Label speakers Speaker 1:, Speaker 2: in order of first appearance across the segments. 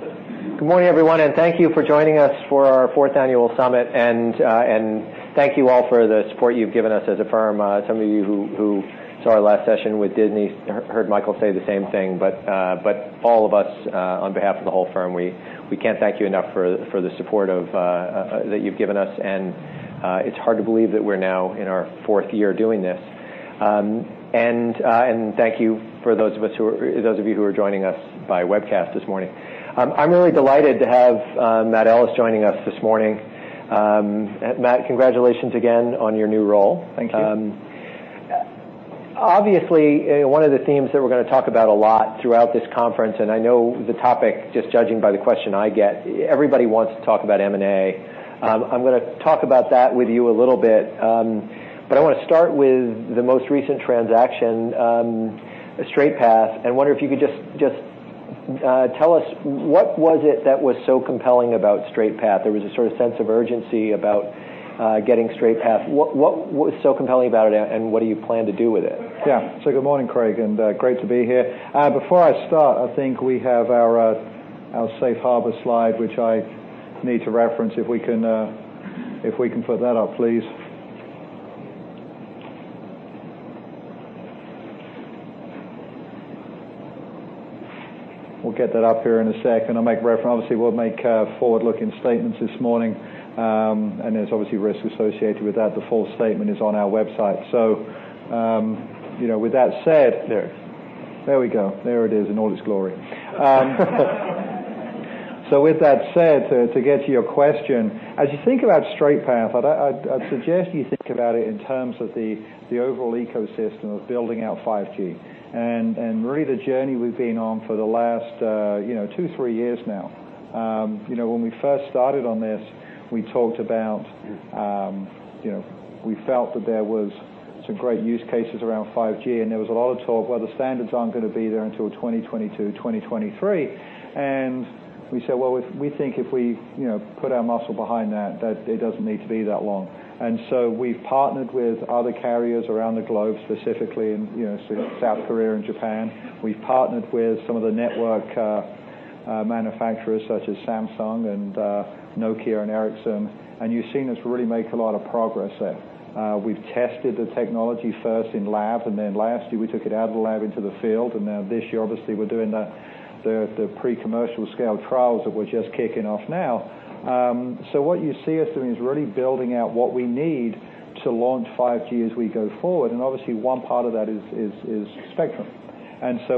Speaker 1: Good morning, everyone, thank you for joining us for our fourth annual summit. Thank you all for the support you've given us as a firm. Some of you who saw our last session with Disney heard Michael say the same thing, all of us, on behalf of the whole firm, we can't thank you enough for the support that you've given us, and it's hard to believe that we're now in our fourth year doing this. Thank you for those of you who are joining us by webcast this morning. I'm really delighted to have Matt Ellis joining us this morning. Matt, congratulations again on your new role.
Speaker 2: Thank you.
Speaker 1: Obviously, one of the themes that we're going to talk about a lot throughout this conference, and I know the topic, just judging by the question I get, everybody wants to talk about M&A. I'm going to talk about that with you a little bit, but I want to start with the most recent transaction, Straight Path, and wonder if you could just tell us what was it that was so compelling about Straight Path? There was a sort of sense of urgency about getting Straight Path. What was so compelling about it, and what do you plan to do with it?
Speaker 2: Yeah. Good morning, Craig, and great to be here. Before I start, I think we have our safe harbor slide, which I need to reference if we can put that up, please. We'll get that up here in a second. I'll make reference. Obviously, we'll make forward-looking statements this morning, and there's obviously risk associated with that. The full statement is on our website. With that said.
Speaker 1: There.
Speaker 2: There we go. There it is in all its glory. With that said, to get to your question, as you think about Straight Path, I'd suggest you think about it in terms of the overall ecosystem of building out 5G and really the journey we've been on for the last two, three years now. When we first started on this, we felt that there was some great use cases around 5G, and there was a lot of talk, "Well, the standards aren't going to be there until 2022, 2023." We said, "Well, we think if we put our muscle behind that it doesn't need to be that long." We've partnered with other carriers around the globe, specifically in South Korea and Japan. We've partnered with some of the network manufacturers such as Samsung and Nokia and Ericsson, and you've seen us really make a lot of progress there. We've tested the technology first in lab, and then last year, we took it out of the lab into the field, and now this year, obviously, we're doing the pre-commercial scale trials that we're just kicking off now. What you see us doing is really building out what we need to launch 5G as we go forward, and obviously, one part of that is spectrum.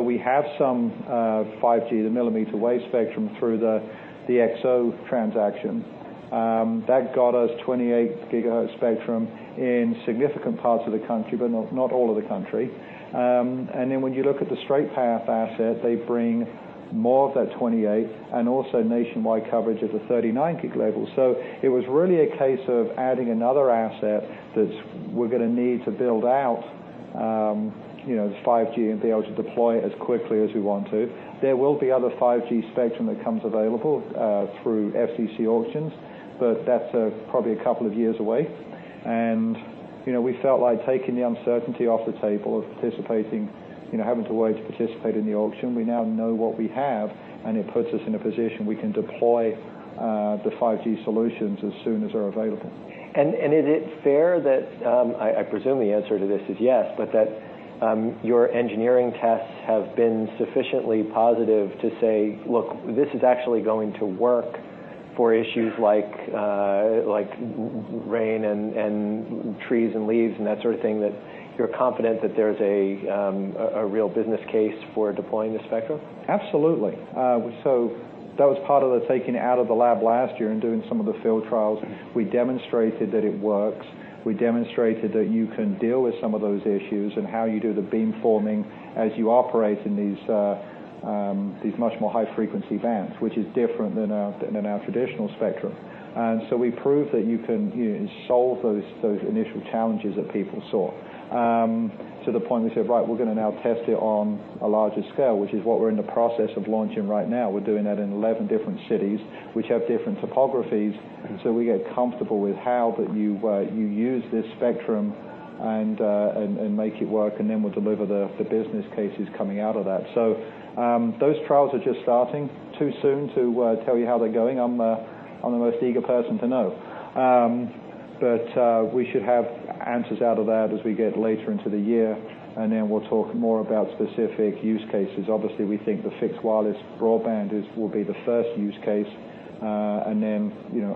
Speaker 2: We have some 5G, the millimeter wave spectrum through the XO transaction. That got us 28 GHz spectrum in significant parts of the country, but not all of the country. When you look at the Straight Path asset, they bring more of that 28 and also nationwide coverage at the 39 gig level. It was really a case of adding another asset that we're going to need to build out 5G and be able to deploy it as quickly as we want to. There will be other 5G spectrum that comes available through FCC auctions, but that's probably a couple of years away. We felt like taking the uncertainty off the table of having to wait to participate in the auction. We now know what we have, and it puts us in a position we can deploy the 5G solutions as soon as they're available.
Speaker 1: Is it fair that, I presume the answer to this is yes, but that your engineering tests have been sufficiently positive to say, look, this is actually going to work for issues like rain and trees and leaves and that sort of thing, that you're confident that there's a real business case for deploying this spectrum?
Speaker 2: That was part of the taking it out of the lab last year and doing some of the field trials. We demonstrated that it works. We demonstrated that you can deal with some of those issues and how you do the beamforming as you operate in these much more high-frequency bands, which is different than in our traditional spectrum. We proved that you can solve those initial challenges that people saw. To the point we said, we're going to now test it on a larger scale, which is what we're in the process of launching right now. We're doing that in 11 different cities, which have different topographies so we get comfortable with how that you use this spectrum and make it work, and then we'll deliver the business cases coming out of that. Those trials are just starting. Too soon to tell you how they're going. I'm the most eager person to know. We should have answers out of that as we get later into the year, and then we'll talk more about specific use cases. Obviously, we think the fixed wireless broadband will be the first use case.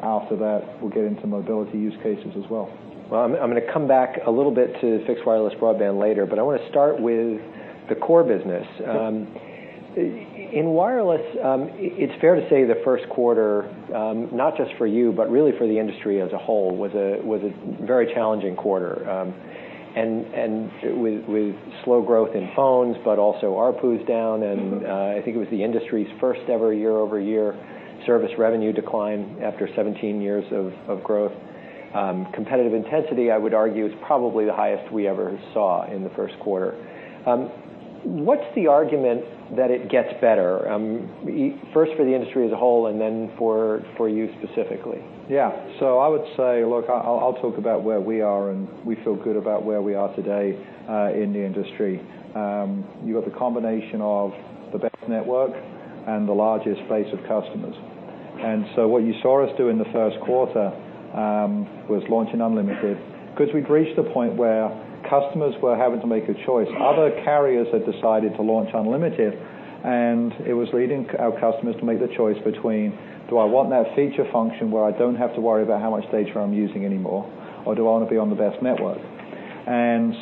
Speaker 2: After that, we'll get into mobility use cases as well.
Speaker 1: I'm going to come back a little bit to fixed wireless broadband later, I want to start with the core business.
Speaker 2: Okay.
Speaker 1: In wireless, it's fair to say the first quarter, not just for you, but really for the industry as a whole, was a very challenging quarter. With slow growth in phones, also ARPU's down, and I think it was the industry's first ever year-over-year service revenue decline after 17 years of growth. Competitive intensity, I would argue, is probably the highest we ever saw in the first quarter. What's the argument that it gets better, first for the industry as a whole and then for you specifically?
Speaker 2: Yeah. I would say, look, I'll talk about where we are. We feel good about where we are today in the industry. You got the combination of the best network and the largest base of customers. What you saw us do in the first quarter was launching Unlimited, because we'd reached the point where customers were having to make a choice. Other carriers had decided to launch Unlimited. It was leading our customers to make the choice between, do I want that feature function where I don't have to worry about how much data I'm using anymore, or do I want to be on the best network?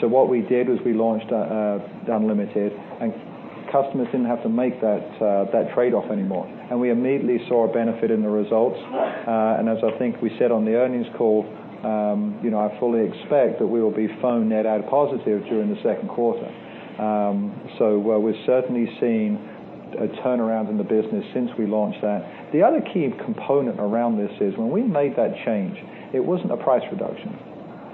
Speaker 2: What we did was we launched Unlimited. Customers didn't have to make that trade-off anymore. We immediately saw a benefit in the results. As I think we said on the earnings call, I fully expect that we will be phone net add positive during the second quarter. We're certainly seeing a turnaround in the business since we launched that. The other key component around this is when we made that change, it wasn't a price reduction.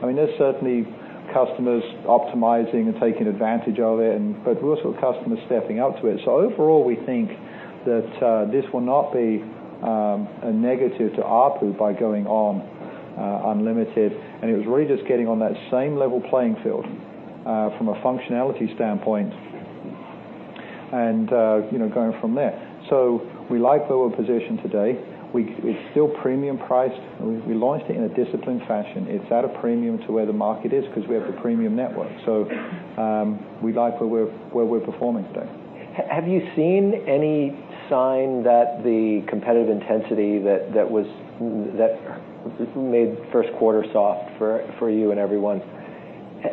Speaker 2: There's certainly customers optimizing and taking advantage of it. We also have customers stepping up to it. Overall, we think that this will not be a negative to ARPU by going on Unlimited. It was really just getting on that same level playing field from a functionality standpoint and going from there. We like where we're positioned today. We're still premium priced. We launched it in a disciplined fashion. It's at a premium to where the market is because we have the premium network. We like where we're performing today.
Speaker 1: Have you seen any sign that the competitive intensity that made first quarter soft for you and everyone,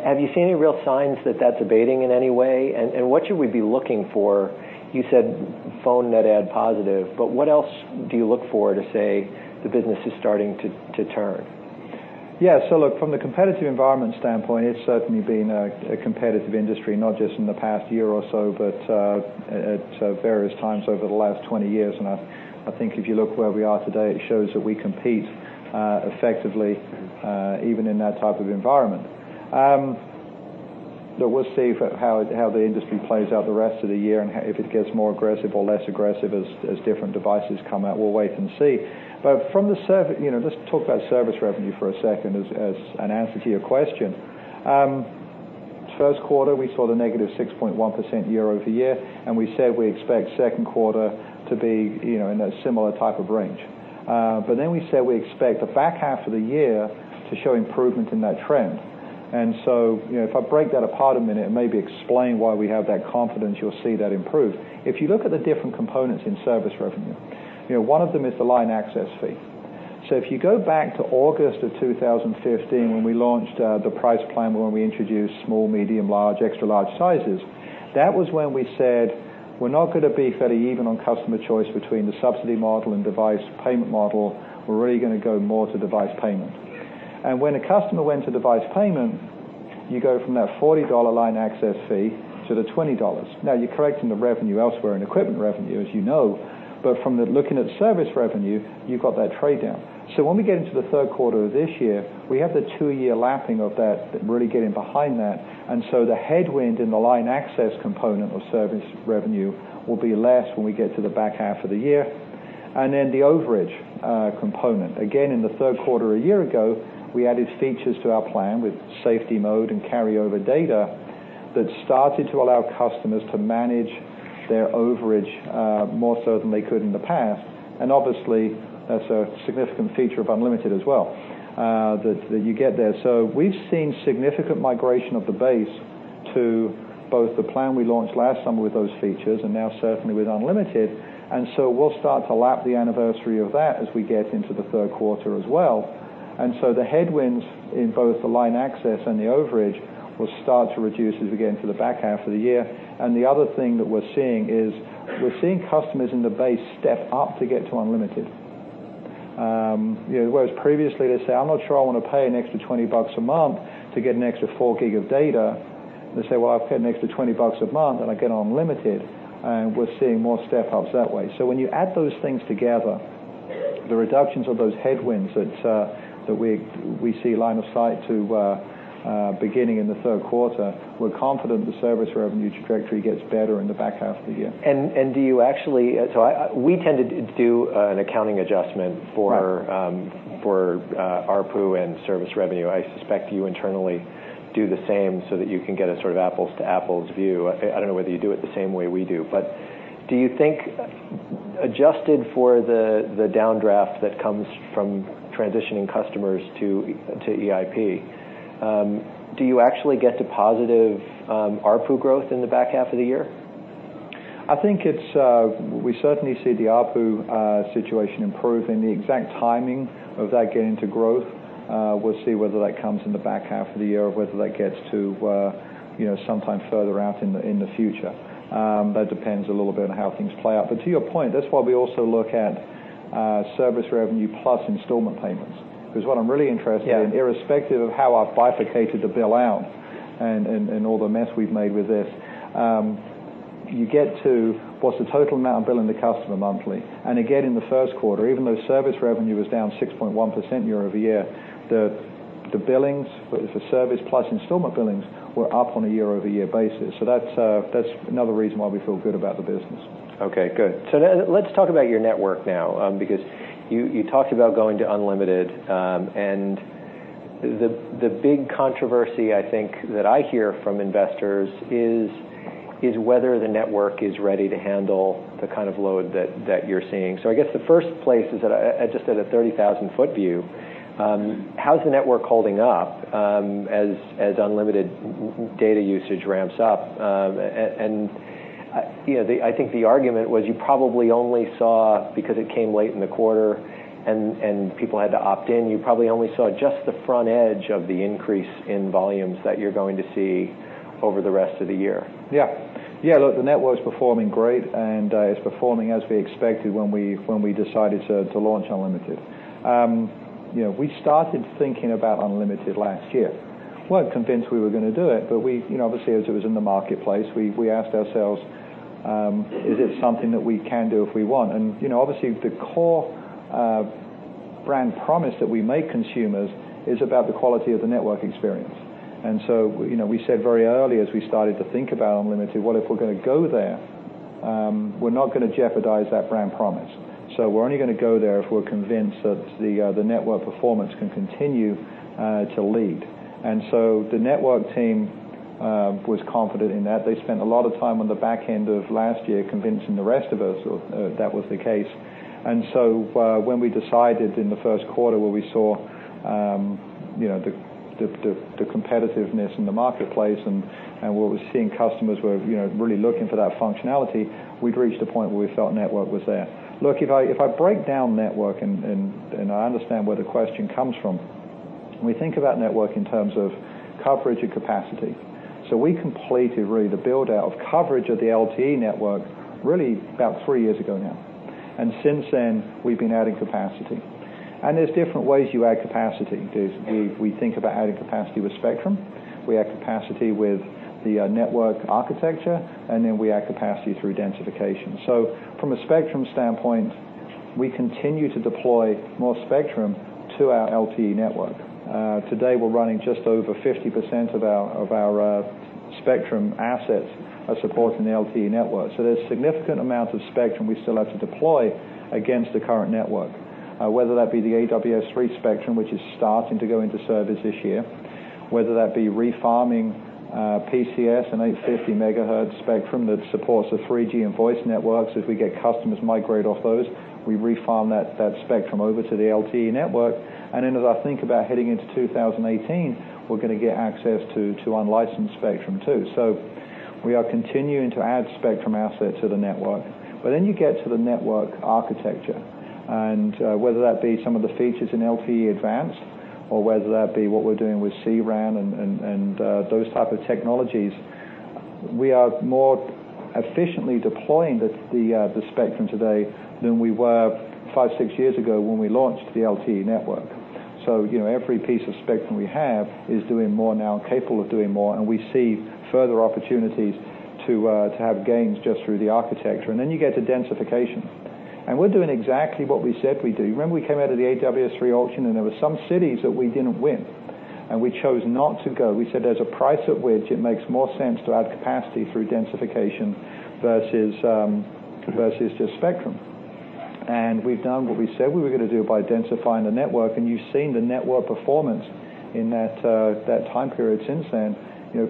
Speaker 1: have you seen any real signs that that's abating in any way? What should we be looking for? You said phone net add positive. What else do you look for to say the business is starting to turn?
Speaker 2: Yeah. Look, from the competitive environment standpoint, it's certainly been a competitive industry, not just in the past year or so. At various times over the last 20 years. I think if you look where we are today, it shows that we compete effectively even in that type of environment. We'll see how the industry plays out the rest of the year and if it gets more aggressive or less aggressive as different devices come out. We'll wait and see. Let's talk about service revenue for a second as an answer to your question. First quarter, we saw the negative 6.1% year-over-year. We said we expect second quarter to be in a similar type of range. We said we expect the back half of the year to show improvement in that trend. If I break that apart a minute and maybe explain why we have that confidence, you'll see that improve. If you look at the different components in service revenue, one of them is the line access fee. If you go back to August of 2015 when we launched the price plan, when we introduced small, medium, large, extra-large sizes, that was when we said we're not going to be fairly even on customer choice between the subsidy model and device payment model. We're really going to go more to device payment. When a customer went to device payment, you go from that $40 line access fee to the $20. Now, you're correcting the revenue elsewhere in equipment revenue, as you know. From looking at service revenue, you've got that trade-down. When we get into the third quarter of this year, we have the 2-year lapping of that, really getting behind that. The headwind in the line access component of service revenue will be less when we get to the back half of the year. The overage component. Again, in the third quarter a year ago, we added features to our plan with Safety Mode and Carryover Data that started to allow customers to manage their overage more so than they could in the past. Obviously, that's a significant feature of unlimited as well, that you get there. We've seen significant migration of the base to both the plan we launched last summer with those features and now certainly with unlimited. We'll start to lap the anniversary of that as we get into the third quarter as well. The headwinds in both the line access and the overage will start to reduce as we get into the back half of the year. The other thing that we're seeing is we're seeing customers in the base step up to get to unlimited. Whereas previously they'd say, "I'm not sure I want to pay an extra $20 a month to get an extra 4 GB of data." They say, "Well, I pay an extra $20 a month and I get unlimited." We're seeing more step-ups that way. When you add those things together, the reductions of those headwinds that we see line of sight to beginning in the third quarter, we're confident the service revenue trajectory gets better in the back half of the year.
Speaker 1: We tend to do an accounting adjustment for.
Speaker 2: Right
Speaker 1: ARPU and service revenue. I suspect you internally do the same so that you can get a sort of apples-to-apples view. I don't know whether you do it the same way we do. Do you think, adjusted for the downdraft that comes from transitioning customers to EIP, do you actually get to positive ARPU growth in the back half of the year?
Speaker 2: I think we certainly see the ARPU situation improving. The exact timing of that getting to growth, we'll see whether that comes in the back half of the year or whether that gets to sometime further out in the future. That depends a little bit on how things play out. To your point, that's why we also look at service revenue plus installment payments. Because what I'm really interested in-
Speaker 1: Yeah
Speaker 2: irrespective of how I've bifurcated the bill out and all the mess we've made with this, you get to what's the total amount I'm billing the customer monthly. Again, in the first quarter, even though service revenue was down 6.1% year-over-year, the billings, the service plus installment billings, were up on a year-over-year basis. That's another reason why we feel good about the business.
Speaker 1: Okay, good. Let's talk about your network now, because you talked about going to unlimited and the big controversy I think that I hear from investors is whether the network is ready to handle the kind of load that you're seeing. I guess the first place is at just at a 30,000-foot view, how's the network holding up as unlimited data usage ramps up? I think the argument was you probably only saw, because it came late in the quarter and people had to opt in, you probably only saw just the front edge of the increase in volumes that you're going to see over the rest of the year.
Speaker 2: Yeah. Look, the network's performing great, and it's performing as we expected when we decided to launch unlimited. We started thinking about unlimited last year. Weren't convinced we were going to do it, but obviously as it was in the marketplace, we asked ourselves, is it something that we can do if we want? Obviously the core brand promise that we make consumers is about the quality of the network experience. We said very early as we started to think about unlimited, well, if we're going to go there, we're not going to jeopardize that brand promise. We're only going to go there if we're convinced that the network performance can continue to lead. The network team was confident in that. They spent a lot of time on the back end of last year convincing the rest of us that that was the case. When we decided in the first quarter where we saw the competitiveness in the marketplace and we were seeing customers were really looking for that functionality, we'd reached a point where we felt network was there. Look, if I break down network, and I understand where the question comes from, we think about network in terms of coverage and capacity. We completed, really, the build-out of coverage of the LTE network really about three years ago now. Since then, we've been adding capacity. There's different ways you add capacity. We think about adding capacity with spectrum, we add capacity with the network architecture, and then we add capacity through densification. From a spectrum standpoint, we continue to deploy more spectrum to our LTE network. Today we're running just over 50% of our spectrum assets are supporting the LTE network. There's significant amounts of spectrum we still have to deploy against the current network, whether that be the AWS-3 spectrum, which is starting to go into service this year, whether that be refarming PCS and 850 MHz spectrum that supports the 3G and voice networks. As we get customers migrate off those, we refarm that spectrum over to the LTE network. As I think about heading into 2018, we're going to get access to unlicensed spectrum, too. We are continuing to add spectrum assets to the network. You get to the network architecture, and whether that be some of the features in LTE Advanced or whether that be what we're doing with CRAN and those type of technologies, we are more efficiently deploying the spectrum today than we were five, six years ago when we launched the LTE network. Every piece of spectrum we have is doing more now and capable of doing more, and we see further opportunities to have gains just through the architecture. You get to densification. We're doing exactly what we said we'd do. Remember we came out of the AWS-3 auction and there were some cities that we didn't win, and we chose not to go. We said there's a price at which it makes more sense to add capacity through densification versus just spectrum. We've done what we said we were going to do by densifying the network, and you've seen the network performance in that time period since then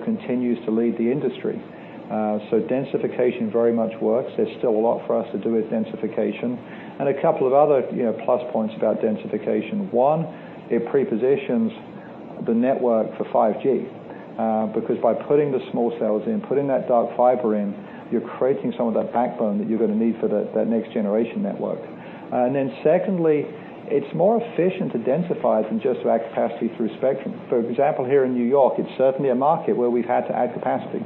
Speaker 2: continues to lead the industry. Densification very much works. There's still a lot for us to do with densification. A couple of other plus points about densification. One, it pre-positions the network for 5G. By putting the small cells in, putting that dark fiber in, you're creating some of that backbone that you're going to need for that next-generation network. Secondly, it's more efficient to densify than just to add capacity through spectrum. For example, here in New York, it's certainly a market where we've had to add capacity.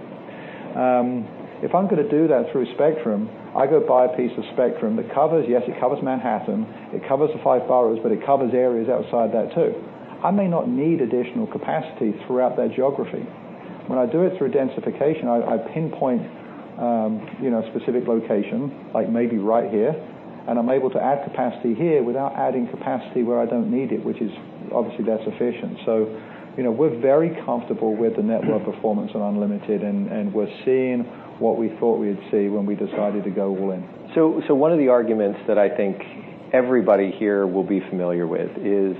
Speaker 2: If I'm going to do that through spectrum, I go buy a piece of spectrum that covers, yes, it covers Manhattan, it covers the five boroughs, but it covers areas outside that, too. I may not need additional capacity throughout that geography. When I do it through densification, I pinpoint specific locations, like maybe right here, and I'm able to add capacity here without adding capacity where I don't need it, which is obviously that's efficient. We're very comfortable with the network performance on Unlimited, and we're seeing what we thought we'd see when we decided to go all in.
Speaker 1: One of the arguments that I think everybody here will be familiar with is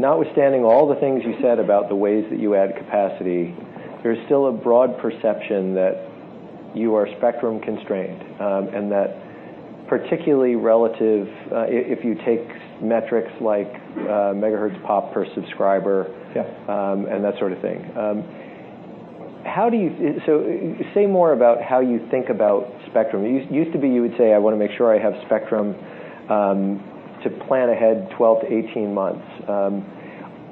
Speaker 1: notwithstanding all the things you said about the ways that you add capacity, there's still a broad perception that you are spectrum-constrained, and that particularly relative, if you take metrics like MHz pop per subscriber.
Speaker 2: Yeah
Speaker 1: That sort of thing. Say more about how you think about spectrum. It used to be you would say, "I want to make sure I have spectrum to plan ahead 12-18 months."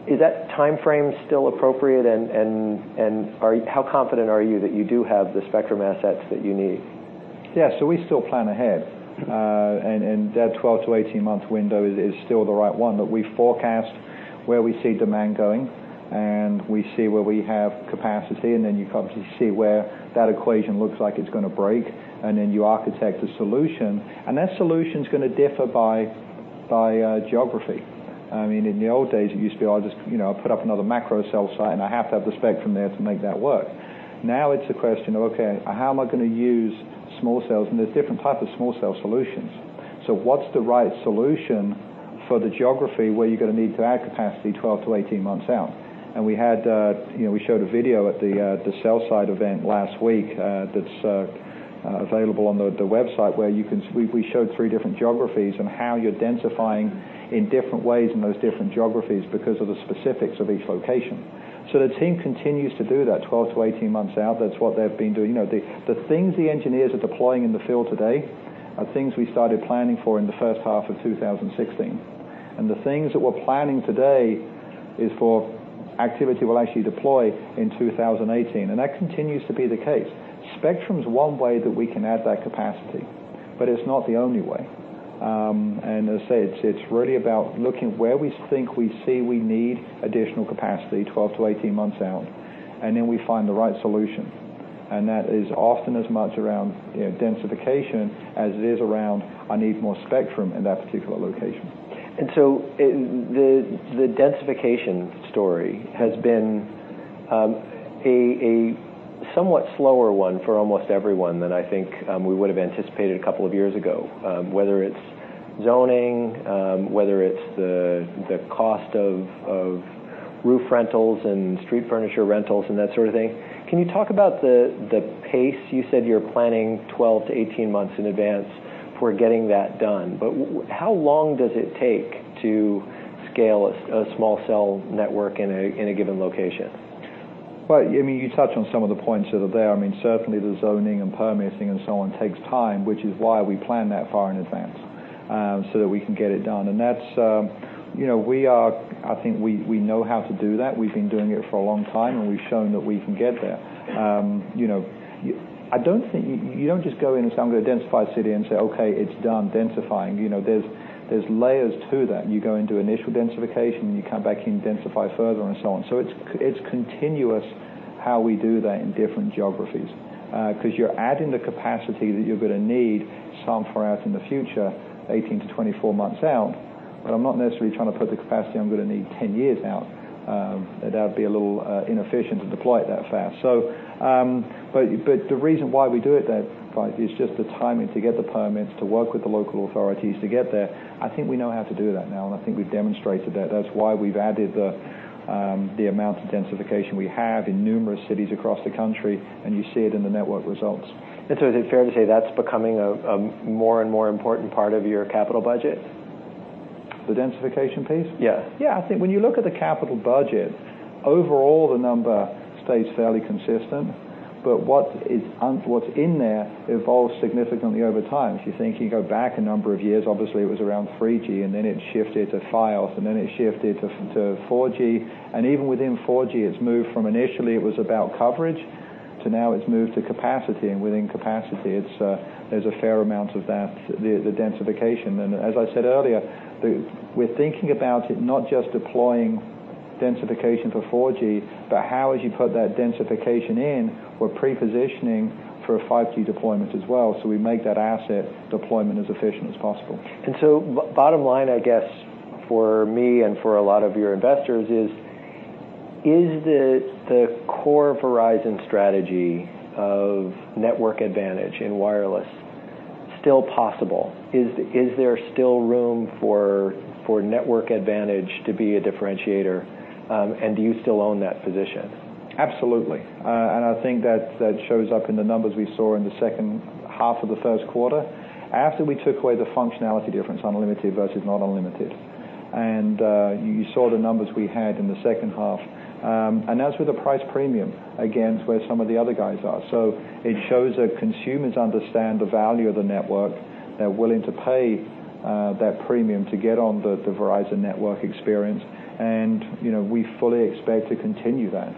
Speaker 1: Is that timeframe still appropriate, and how confident are you that you do have the spectrum assets that you need?
Speaker 2: Yeah. We still plan ahead. That 12 to 18-month window is still the right one. We forecast where we see demand going, and we see where we have capacity, then you obviously see where that equation looks like it's going to break, and then you architect a solution. That solution's going to differ by geography. In the old days, it used to be, I'll just put up another macro cell site, and I have to have the spectrum there to make that work. Now it's a question of, okay, how am I going to use small cells, and there's different types of small cell solutions. What's the right solution for the geography where you're going to need to add capacity 12 to 18 months out? We showed a video at the sell-side event last week that's available on the website where we showed three different geographies and how you're densifying in different ways in those different geographies because of the specifics of each location. The team continues to do that 12 to 18 months out. That's what they've been doing. The things the engineers are deploying in the field today are things we started planning for in the first half of 2016. The things that we're planning today is for activity we'll actually deploy in 2018, and that continues to be the case. Spectrum's one way that we can add that capacity, but it's not the only way. As I say, it's really about looking where we think we see we need additional capacity 12 to 18 months out, then we find the right solution, and that is often as much around densification as it is around, "I need more spectrum in that particular location.
Speaker 1: The densification story has been a somewhat slower one for almost everyone than I think we would've anticipated a couple of years ago, whether it's zoning, whether it's the cost of roof rentals and street furniture rentals, and that sort of thing. Can you talk about the pace? You said you're planning 12 to 18 months in advance for getting that done, but how long does it take to scale a small cell network in a given location?
Speaker 2: Well, you touched on some of the points that are there. Certainly the zoning and permitting and so on takes time, which is why we plan that far in advance, so that we can get it done. I think we know how to do that. We've been doing it for a long time, and we've shown that we can get there. You don't just go into some densified city and say, "Okay, it's done densifying." There's layers to that. You go and do initial densification, and you come back and you densify further and so on. It's continuous how we do that in different geographies, because you're adding the capacity that you're going to need some far out in the future, 18-24 months out, but I'm not necessarily trying to put the capacity I'm going to need 10 years out. That would be a little inefficient to deploy it that fast. The reason why we do it that way is just the timing to get the permits, to work with the local authorities to get there. I think we know how to do that now, and I think we've demonstrated that. That's why we've added the amount of densification we have in numerous cities across the country, and you see it in the network results.
Speaker 1: Is it fair to say that's becoming a more and more important part of your capital budget?
Speaker 2: The densification piece?
Speaker 1: Yeah.
Speaker 2: Yeah. I think when you look at the capital budget, overall the number stays fairly consistent, but what's in there evolves significantly over time. If you think, you go back a number of years, obviously it was around 3G and then it shifted to 5G and then it shifted to 4G, and even within 4G it's moved from initially it was about coverage, to now it's moved to capacity, and within capacity, there's a fair amount of that, the densification. As I said earlier, we're thinking about it not just deploying densification for 4G, but how, as you put that densification in, we're pre-positioning for a 5G deployment as well. We make that asset deployment as efficient as possible.
Speaker 1: Bottom line, I guess, for me and for a lot of your investors is the core Verizon strategy of network advantage in wireless still possible? Is there still room for network advantage to be a differentiator? Do you still own that position?
Speaker 2: Absolutely. I think that shows up in the numbers we saw in the second half of the first quarter after we took away the functionality difference, unlimited versus not unlimited. You saw the numbers we had in the second half, and that's with a price premium against where some of the other guys are. It shows that consumers understand the value of the network. They're willing to pay that premium to get on the Verizon network experience, and we fully expect to continue that.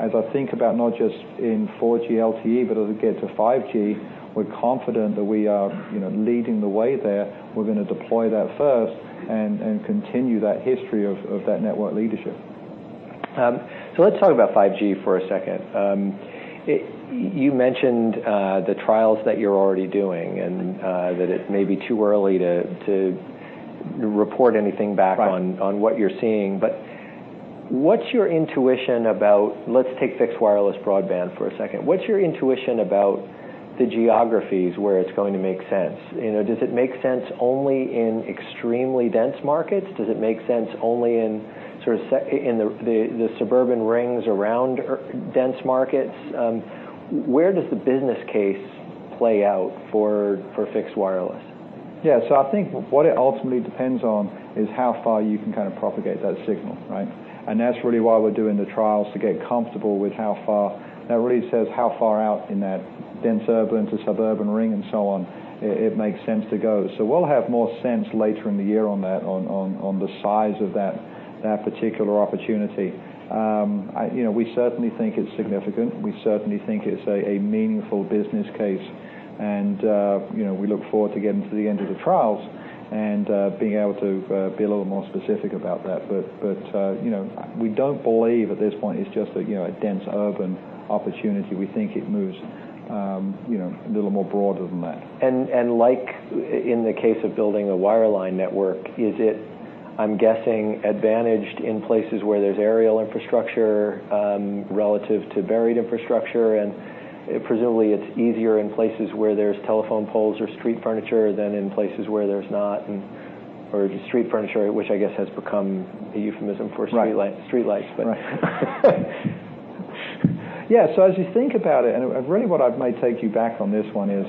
Speaker 2: As I think about not just in 4G LTE, but as we get to 5G, we're confident that we are leading the way there. We're going to deploy that first and continue that history of that network leadership.
Speaker 1: Let's talk about 5G for a second. You mentioned the trials that you're already doing and that it may be too early to report anything back.
Speaker 2: Right
Speaker 1: on what you're seeing. Let's take fixed wireless broadband for a second. What's your intuition about the geographies where it's going to make sense? Does it make sense only in extremely dense markets? Does it make sense only in the suburban rings around dense markets? Where does the business case play out for fixed wireless?
Speaker 2: Yeah. I think what it ultimately depends on is how far you can propagate that signal, right? That's really why we're doing the trials to get comfortable with how far. That really says how far out in that dense urban to suburban ring and so on, it makes sense to go. We'll have more sense later in the year on the size of that particular opportunity. We certainly think it's significant. We certainly think it's a meaningful business case, we look forward to getting to the end of the trials and being able to be a little more specific about that. We don't believe at this point it's just a dense urban opportunity. We think it moves a little more broader than that.
Speaker 1: Like in the case of building a wireline network, is it I'm guessing advantaged in places where there's aerial infrastructure relative to buried infrastructure, presumably, it's easier in places where there's telephone poles or street furniture than in places where there's not, or just street furniture, which I guess has become a euphemism for.
Speaker 2: Right
Speaker 1: streetlights.
Speaker 2: Right. Yeah. As you think about it, really what I may take you back on this one is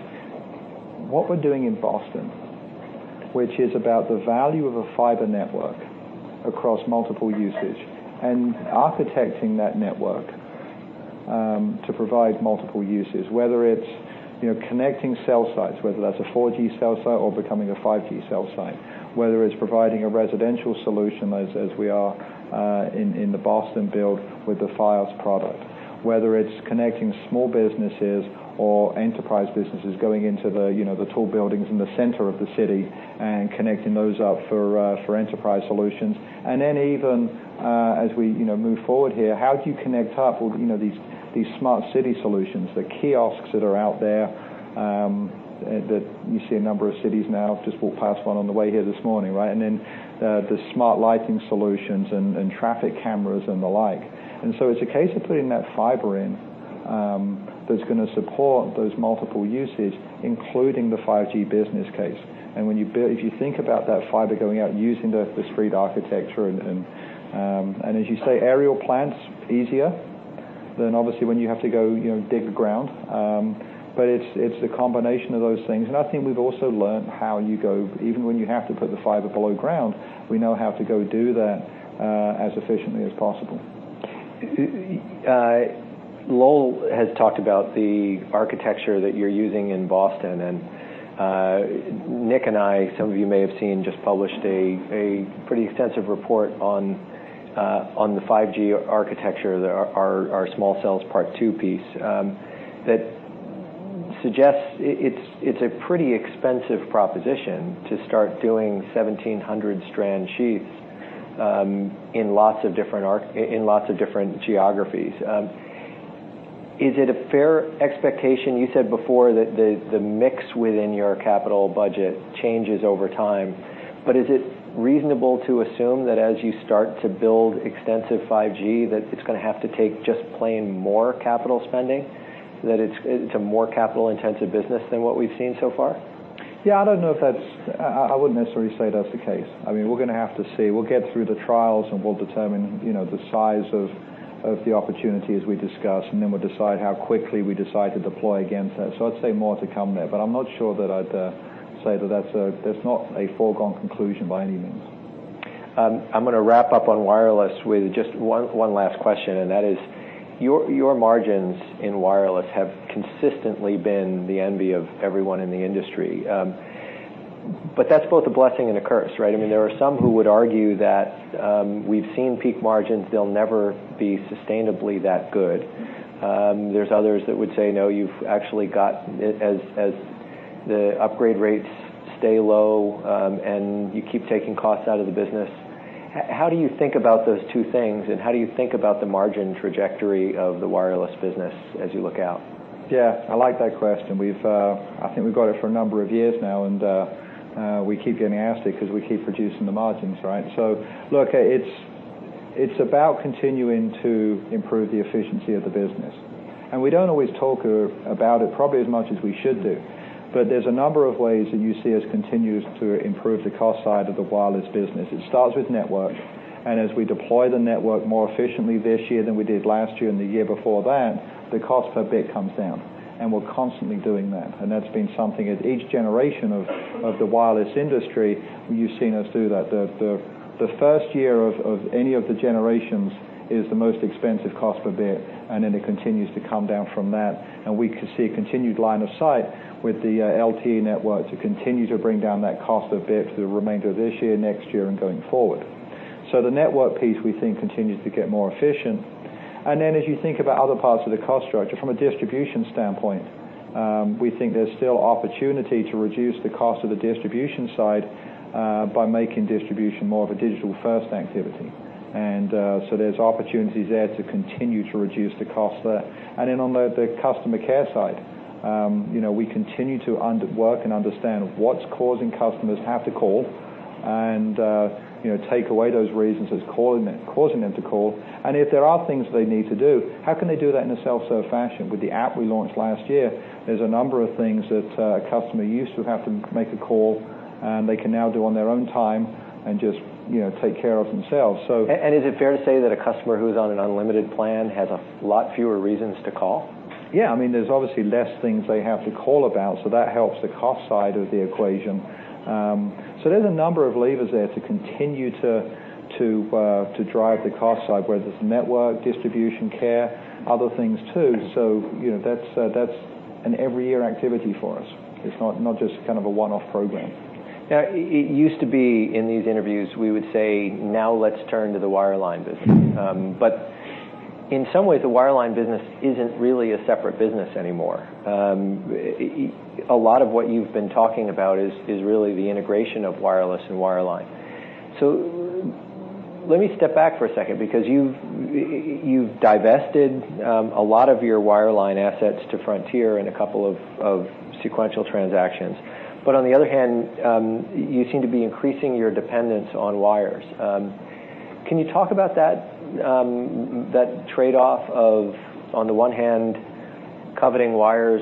Speaker 2: what we're doing in Boston, which is about the value of a fiber network across multiple usage and architecting that network to provide multiple uses, whether it's connecting cell sites, whether that's a 4G cell site or becoming a 5G cell site, whether it's providing a residential solution, as we are in the Boston build with the Fios product, whether it's connecting small businesses or enterprise businesses, going into the tall buildings in the center of the city and connecting those up for enterprise solutions. Even, as we move forward here, how do you connect up all these smart city solutions, the kiosks that are out there, that you see a number of cities now, just walked past one on the way here this morning. Then the smart lighting solutions and traffic cameras and the like. So it's a case of putting that fiber in that's going to support those multiple uses, including the 5G business case. If you think about that fiber going out and using the street architecture, and as you say, aerial plants, easier than obviously when you have to go dig the ground. It's the combination of those things, and I think we've also learned how you go, even when you have to put the fiber below ground, we know how to go do that as efficiently as possible.
Speaker 1: Lowell has talked about the architecture that you're using in Boston. Nick and I, some of you may have seen, just published a pretty extensive report on the 5G architecture, our small cells part two piece, that suggests it's a pretty expensive proposition to start doing 1,700-strand sheaths in lots of different geographies. Is it a fair expectation, you said before that the mix within your capital budget changes over time, but is it reasonable to assume that as you start to build extensive 5G, that it's going to have to take just plain more capital spending, that it's a more capital-intensive business than what we've seen so far?
Speaker 2: Yeah, I wouldn't necessarily say that's the case. We're going to have to see. We'll get through the trials, and we'll determine the size of the opportunity as we discuss, and then we'll decide how quickly we decide to deploy against that. I'd say more to come there, but I'm not sure that I'd say that that's not a foregone conclusion by any means.
Speaker 1: I'm going to wrap up on wireless with just one last question, and that is, your margins in wireless have consistently been the envy of everyone in the industry. That's both a blessing and a curse, right? There are some who would argue that we've seen peak margins, they'll never be sustainably that good. There's others that would say, no, you've actually got, as the upgrade rates stay low, and you keep taking costs out of the business. How do you think about those two things, and how do you think about the margin trajectory of the wireless business as you look out?
Speaker 2: Yeah, I like that question. I think we've got it for a number of years now, and we keep getting asked it because we keep reducing the margins, right? Look, it's about continuing to improve the efficiency of the business. We don't always talk about it probably as much as we should do, but there's a number of ways that you see us continue to improve the cost side of the wireless business. It starts with network, and as we deploy the network more efficiently this year than we did last year and the year before that, the cost per bit comes down, and we're constantly doing that. That's been something at each generation of the wireless industry, you've seen us do that. The first year of any of the generations is the most expensive cost per bit, and then it continues to come down from that, and we can see a continued line of sight with the LTE network to continue to bring down that cost per bit for the remainder of this year, next year, and going forward. The network piece, we think, continues to get more efficient. Then as you think about other parts of the cost structure from a distribution standpoint, we think there's still opportunity to reduce the cost of the distribution side by making distribution more of a digital-first activity. There's opportunities there to continue to reduce the cost there. On the customer care side, we continue to work and understand what's causing customers have to call and take away those reasons that's causing them to call. If there are things they need to do, how can they do that in a self-serve fashion? With the app we launched last year, there's a number of things that a customer used to have to make a call, they can now do on their own time and just take care of themselves.
Speaker 1: Is it fair to say that a customer who's on an unlimited plan has a lot fewer reasons to call?
Speaker 2: There's obviously less things they have to call about, so that helps the cost side of the equation. There's a number of levers there to continue to drive the cost side, whether it's network, distribution, care, other things, too. That's an every year activity for us. It's not just a one-off program.
Speaker 1: It used to be in these interviews, we would say, now let's turn to the wireline business. In some ways, the wireline business isn't really a separate business anymore. A lot of what you've been talking about is really the integration of wireless and wireline. Let me step back for a second, because you've divested a lot of your wireline assets to Frontier in a couple of sequential transactions. On the other hand, you seem to be increasing your dependence on wires. Can you talk about that trade-off of, on the one hand, coveting wires,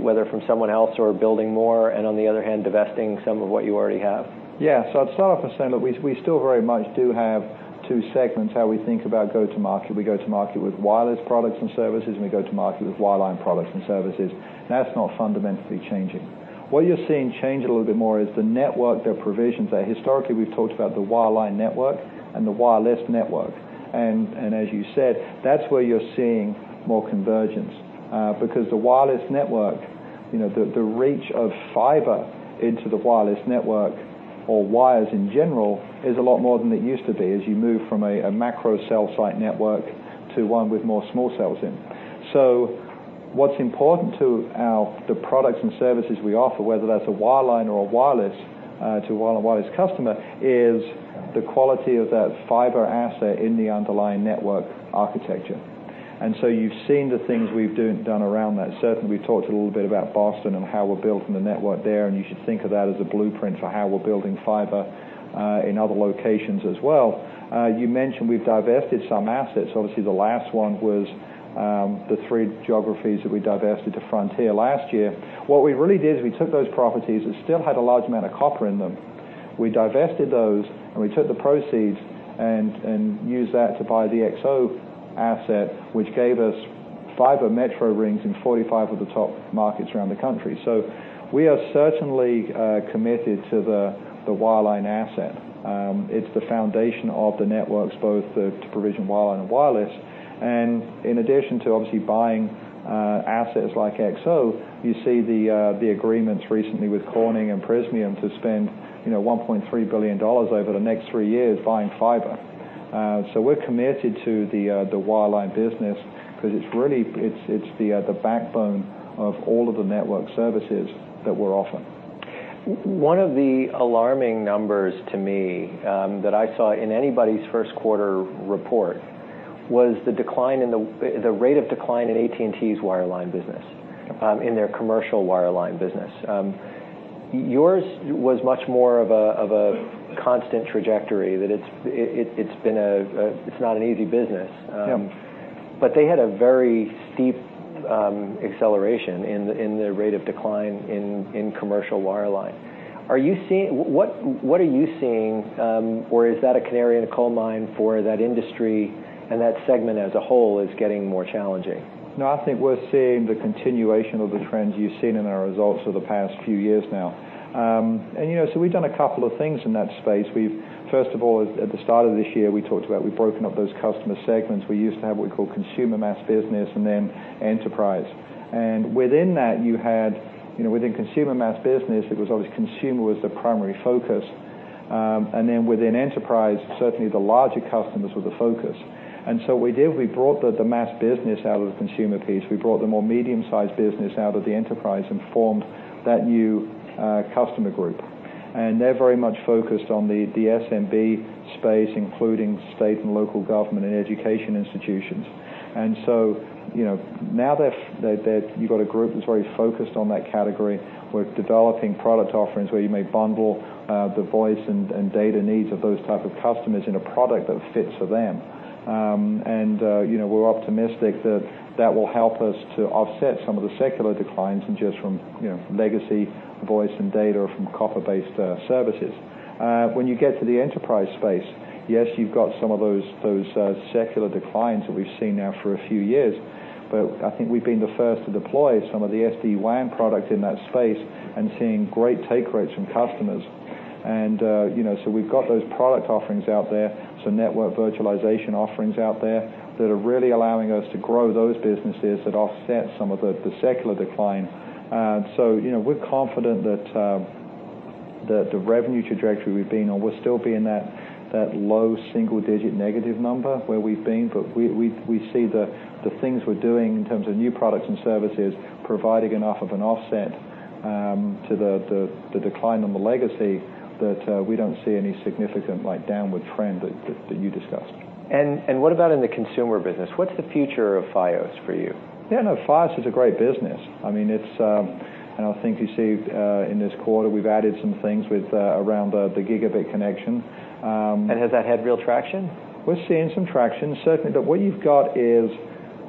Speaker 1: whether from someone else or building more, and on the other hand, divesting some of what you already have?
Speaker 2: I'd start off by saying that we still very much do have two segments, how we think about go to market. We go to market with wireless products and services, and we go to market with wireline products and services. That's not fundamentally changing. What you're seeing change a little bit more is the network, the provisions there. Historically, we've talked about the wireline network and the wireless network. As you said, that's where you're seeing more convergence. Because the wireless network, the reach of fiber into the wireless network, or wires in general, is a lot more than it used to be as you move from a macro cell site network to one with more small cells in. What's important to the products and services we offer, whether that's a wireline or a wireless to a wire and wireless customer, is the quality of that fiber asset in the underlying network architecture. Certainly, we've talked a little bit about Boston and how we're building the network there, and you should think of that as a blueprint for how we're building fiber in other locations as well. You mentioned we've divested some assets. Obviously, the last one was the three geographies that we divested to Frontier last year. What we really did is we took those properties that still had a large amount of copper in them. We divested those, and we took the proceeds and used that to buy the XO asset, which gave us fiber metro rings in 45 of the top markets around the country. We are certainly committed to the wireline asset. It's the foundation of the networks, both to provision wireline and wireless. In addition to obviously buying assets like XO, you see the agreements recently with Corning and Prysmian to spend $1.3 billion over the next 3 years buying fiber. We're committed to the wireline business because it's really the backbone of all of the network services that we're offering.
Speaker 1: One of the alarming numbers to me that I saw in anybody's first quarter report was the rate of decline in AT&T's wireline business, in their commercial wireline business. Yours was much more of a constant trajectory, that it's not an easy business.
Speaker 2: Yeah.
Speaker 1: They had a very steep acceleration in the rate of decline in commercial wireline. What are you seeing, or is that a canary in a coal mine for that industry and that segment as a whole is getting more challenging?
Speaker 2: No, I think we're seeing the continuation of the trends you've seen in our results for the past few years now. We've done a couple of things in that space. First of all, at the start of this year, we talked about we've broken up those customer segments. We used to have what we call consumer mass business, then enterprise. Within that, you had within consumer mass business, it was always consumer was the primary focus. Within enterprise, certainly the larger customers were the focus. What we did, we brought the mass business out of the consumer piece. We brought the more medium-sized business out of the enterprise and formed that new customer group. They're very much focused on the SMB space, including state and local government and education institutions. Now that you've got a group that's very focused on that category, we're developing product offerings where you may bundle the voice and data needs of those type of customers in a product that fits for them. We're optimistic that that will help us to offset some of the secular declines just from legacy voice and data from copper-based services. When you get to the enterprise space, yes, you've got some of those secular declines that we've seen now for a few years. I think we've been the first to deploy some of the SD-WAN product in that space and seeing great take rates from customers. We've got those product offerings out there, some network virtualization offerings out there that are really allowing us to grow those businesses that offset some of the secular decline. We're confident that the revenue trajectory we've been on will still be in that low single-digit negative number where we've been. We see the things we're doing in terms of new products and services providing enough of an offset to the decline in the legacy that we don't see any significant downward trend that you discussed.
Speaker 1: What about in the consumer business? What's the future of Fios for you?
Speaker 2: Yeah, no, Fios is a great business. I think you see in this quarter, we've added some things around the gigabit connection.
Speaker 1: Has that had real traction?
Speaker 2: We're seeing some traction, certainly. What you've got is,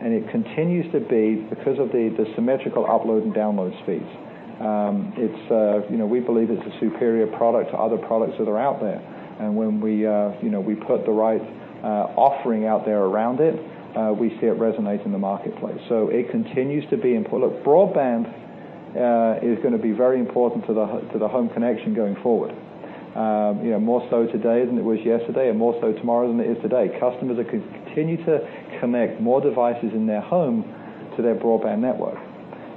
Speaker 2: and it continues to be because of the symmetrical upload and download speeds. We believe it's a superior product to other products that are out there. When we put the right offering out there around it, we see it resonate in the marketplace. It continues to be important. Look, broadband is going to be very important to the home connection going forward. More so today than it was yesterday, and more so tomorrow than it is today. Customers continue to connect more devices in their home to their broadband network.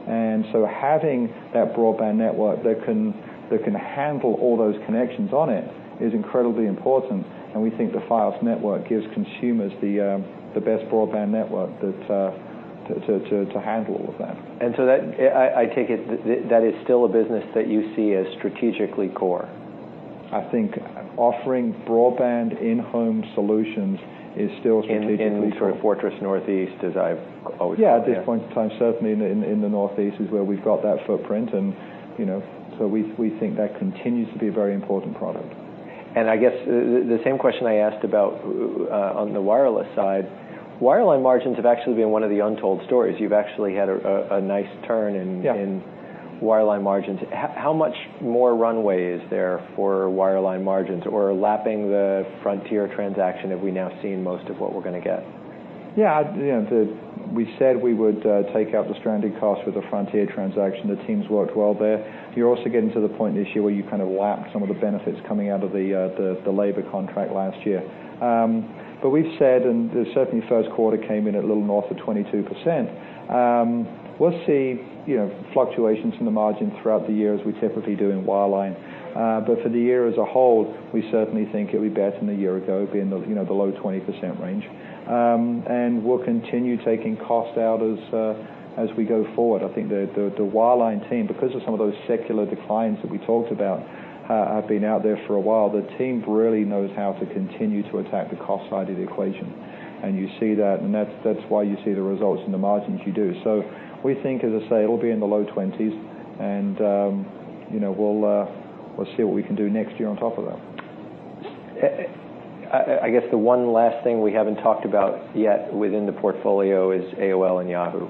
Speaker 2: Having that broadband network that can handle all those connections on it is incredibly important, and we think the Fios network gives consumers the best broadband network to handle all of that.
Speaker 1: I take it that is still a business that you see as strategically core.
Speaker 2: I think offering broadband in-home solutions is still strategically core.
Speaker 1: In sort of Fortress Northeast, as I've always called it.
Speaker 2: Yeah, at this point in time, certainly in the Northeast is where we've got that footprint. We think that continues to be a very important product.
Speaker 1: I guess the same question I asked about on the wireless side, wireline margins have actually been one of the untold stories. You've actually had a nice turn in-
Speaker 2: Yeah
Speaker 1: wireline margins. How much more runway is there for wireline margins? Lapping the Frontier transaction, have we now seen most of what we're going to get?
Speaker 2: Yeah. We said we would take out the stranded costs with the Frontier transaction. The team's worked well there. You're also getting to the point this year where you kind of lap some of the benefits coming out of the labor contract last year. We've said, and certainly first quarter came in at a little north of 22%. We'll see fluctuations in the margin throughout the year, as we typically do in wireline. For the year as a whole, we certainly think it'll be better than a year ago, be in the below 20% range. We'll continue taking cost out as we go forward. I think the wireline team, because of some of those secular declines that we talked about, have been out there for a while. The team really knows how to continue to attack the cost side of the equation. You see that, and that's why you see the results in the margins you do. We think, as I say, it'll be in the low 20s, and we'll see what we can do next year on top of that.
Speaker 1: I guess the one last thing we haven't talked about yet within the portfolio is AOL and Yahoo.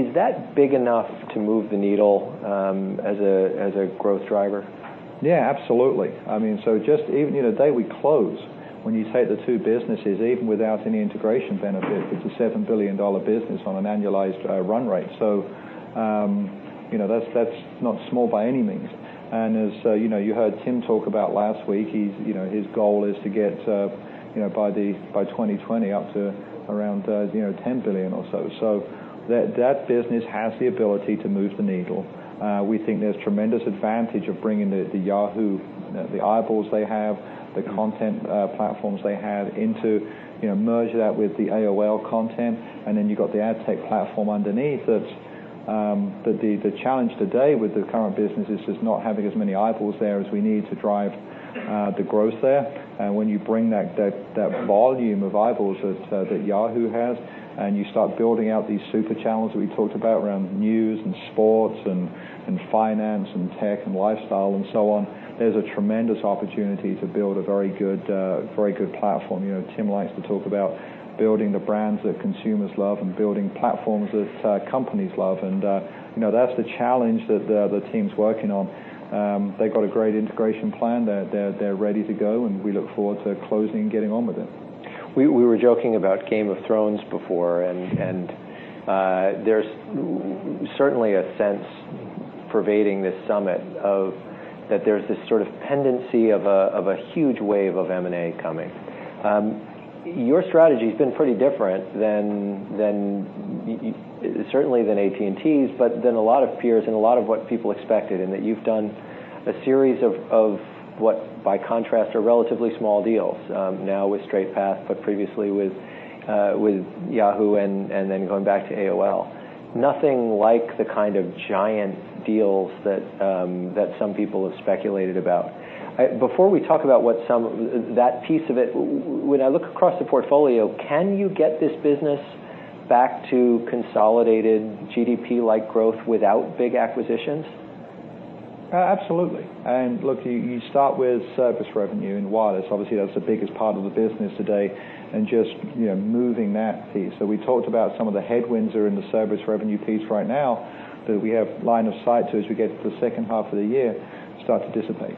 Speaker 1: Is that big enough to move the needle as a growth driver?
Speaker 2: Yeah, absolutely. Just the day we close, when you take the two businesses, even without any integration benefit, it's a $7 billion business on an annualized run rate. That's not small by any means. As you heard Tim talk about last week, his goal is to get by 2020 up to around $10 billion or so. That business has the ability to move the needle. We think there's tremendous advantage of bringing the Yahoo, the eyeballs they have, the content platforms they have, merge that with the AOL content, and then you've got the ad tech platform underneath it. The challenge today with the current business is just not having as many eyeballs there as we need to drive the growth there. When you bring that volume of eyeballs that Yahoo has, you start building out these super channels that we talked about around news and sports and finance and tech and lifestyle and so on, there's a tremendous opportunity to build a very good platform. Tim likes to talk about building the brands that consumers love and building platforms that companies love. That's the challenge that the team's working on. They've got a great integration plan. They're ready to go, we look forward to closing and getting on with it.
Speaker 1: We were joking about "Game of Thrones" before, there's certainly a sense pervading this summit that there's this sort of pendency of a huge wave of M&A coming. Your strategy's been pretty different, certainly than AT&T's, but than a lot of peers and a lot of what people expected, in that you've done a series of what, by contrast, are relatively small deals. Now with Straight Path, but previously with Yahoo and then going back to AOL. Nothing like the kind of giant deals that some people have speculated about. Before we talk about that piece of it, when I look across the portfolio, can you get this business back to consolidated GDP-like growth without big acquisitions?
Speaker 2: Absolutely. Look, you start with service revenue in wireless. Obviously, that's the biggest part of the business today, and just moving that piece. We talked about some of the headwinds that are in the service revenue piece right now that we have line of sight to, as we get to the second half of the year, start to dissipate.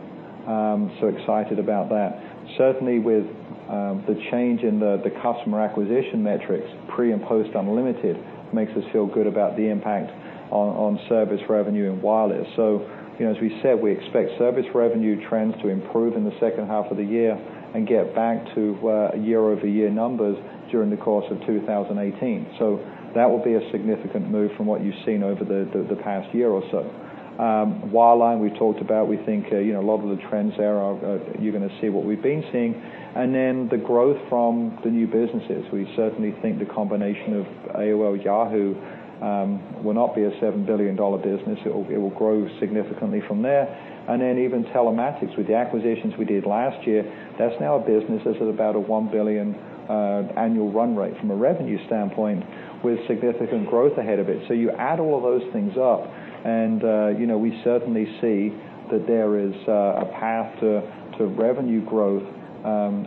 Speaker 2: Excited about that. Certainly, with the change in the customer acquisition metrics, pre and post unlimited, makes us feel good about the impact on service revenue and wireless. As we said, we expect service revenue trends to improve in the second half of the year and get back to year-over-year numbers during the course of 2018. That will be a significant move from what you've seen over the past year or so. Wireline, we talked about, we think a lot of the trends there are you're going to see what we've been seeing. Then the growth from the new businesses. We certainly think the combination of AOL Yahoo will not be a $7 billion business. It will grow significantly from there. Then even Telematics, with the acquisitions we did last year, that's now a business that's at about a $1 billion annual run rate from a revenue standpoint with significant growth ahead of it. You add all those things up, we certainly see that there is a path to revenue growth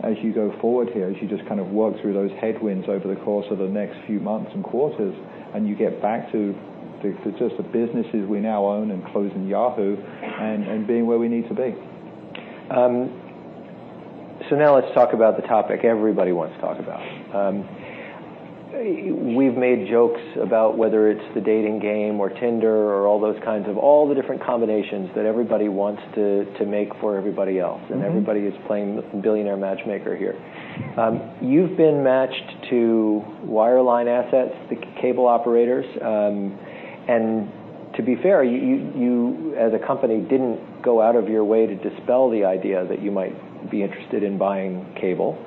Speaker 2: as you go forward here, as you just kind of work through those headwinds over the course of the next few months and quarters, and you get back to just the businesses we now own and closing Yahoo and being where we need to be.
Speaker 1: Let's talk about the topic everybody wants to talk about. We've made jokes about whether it's the dating game or Tinder or all those kinds of all the different combinations that everybody wants to make for everybody else. Everybody is playing billionaire matchmaker here. You've been matched to wireline assets, the cable operators. To be fair, you as a company didn't go out of your way to dispel the idea that you might be interested in buying cable.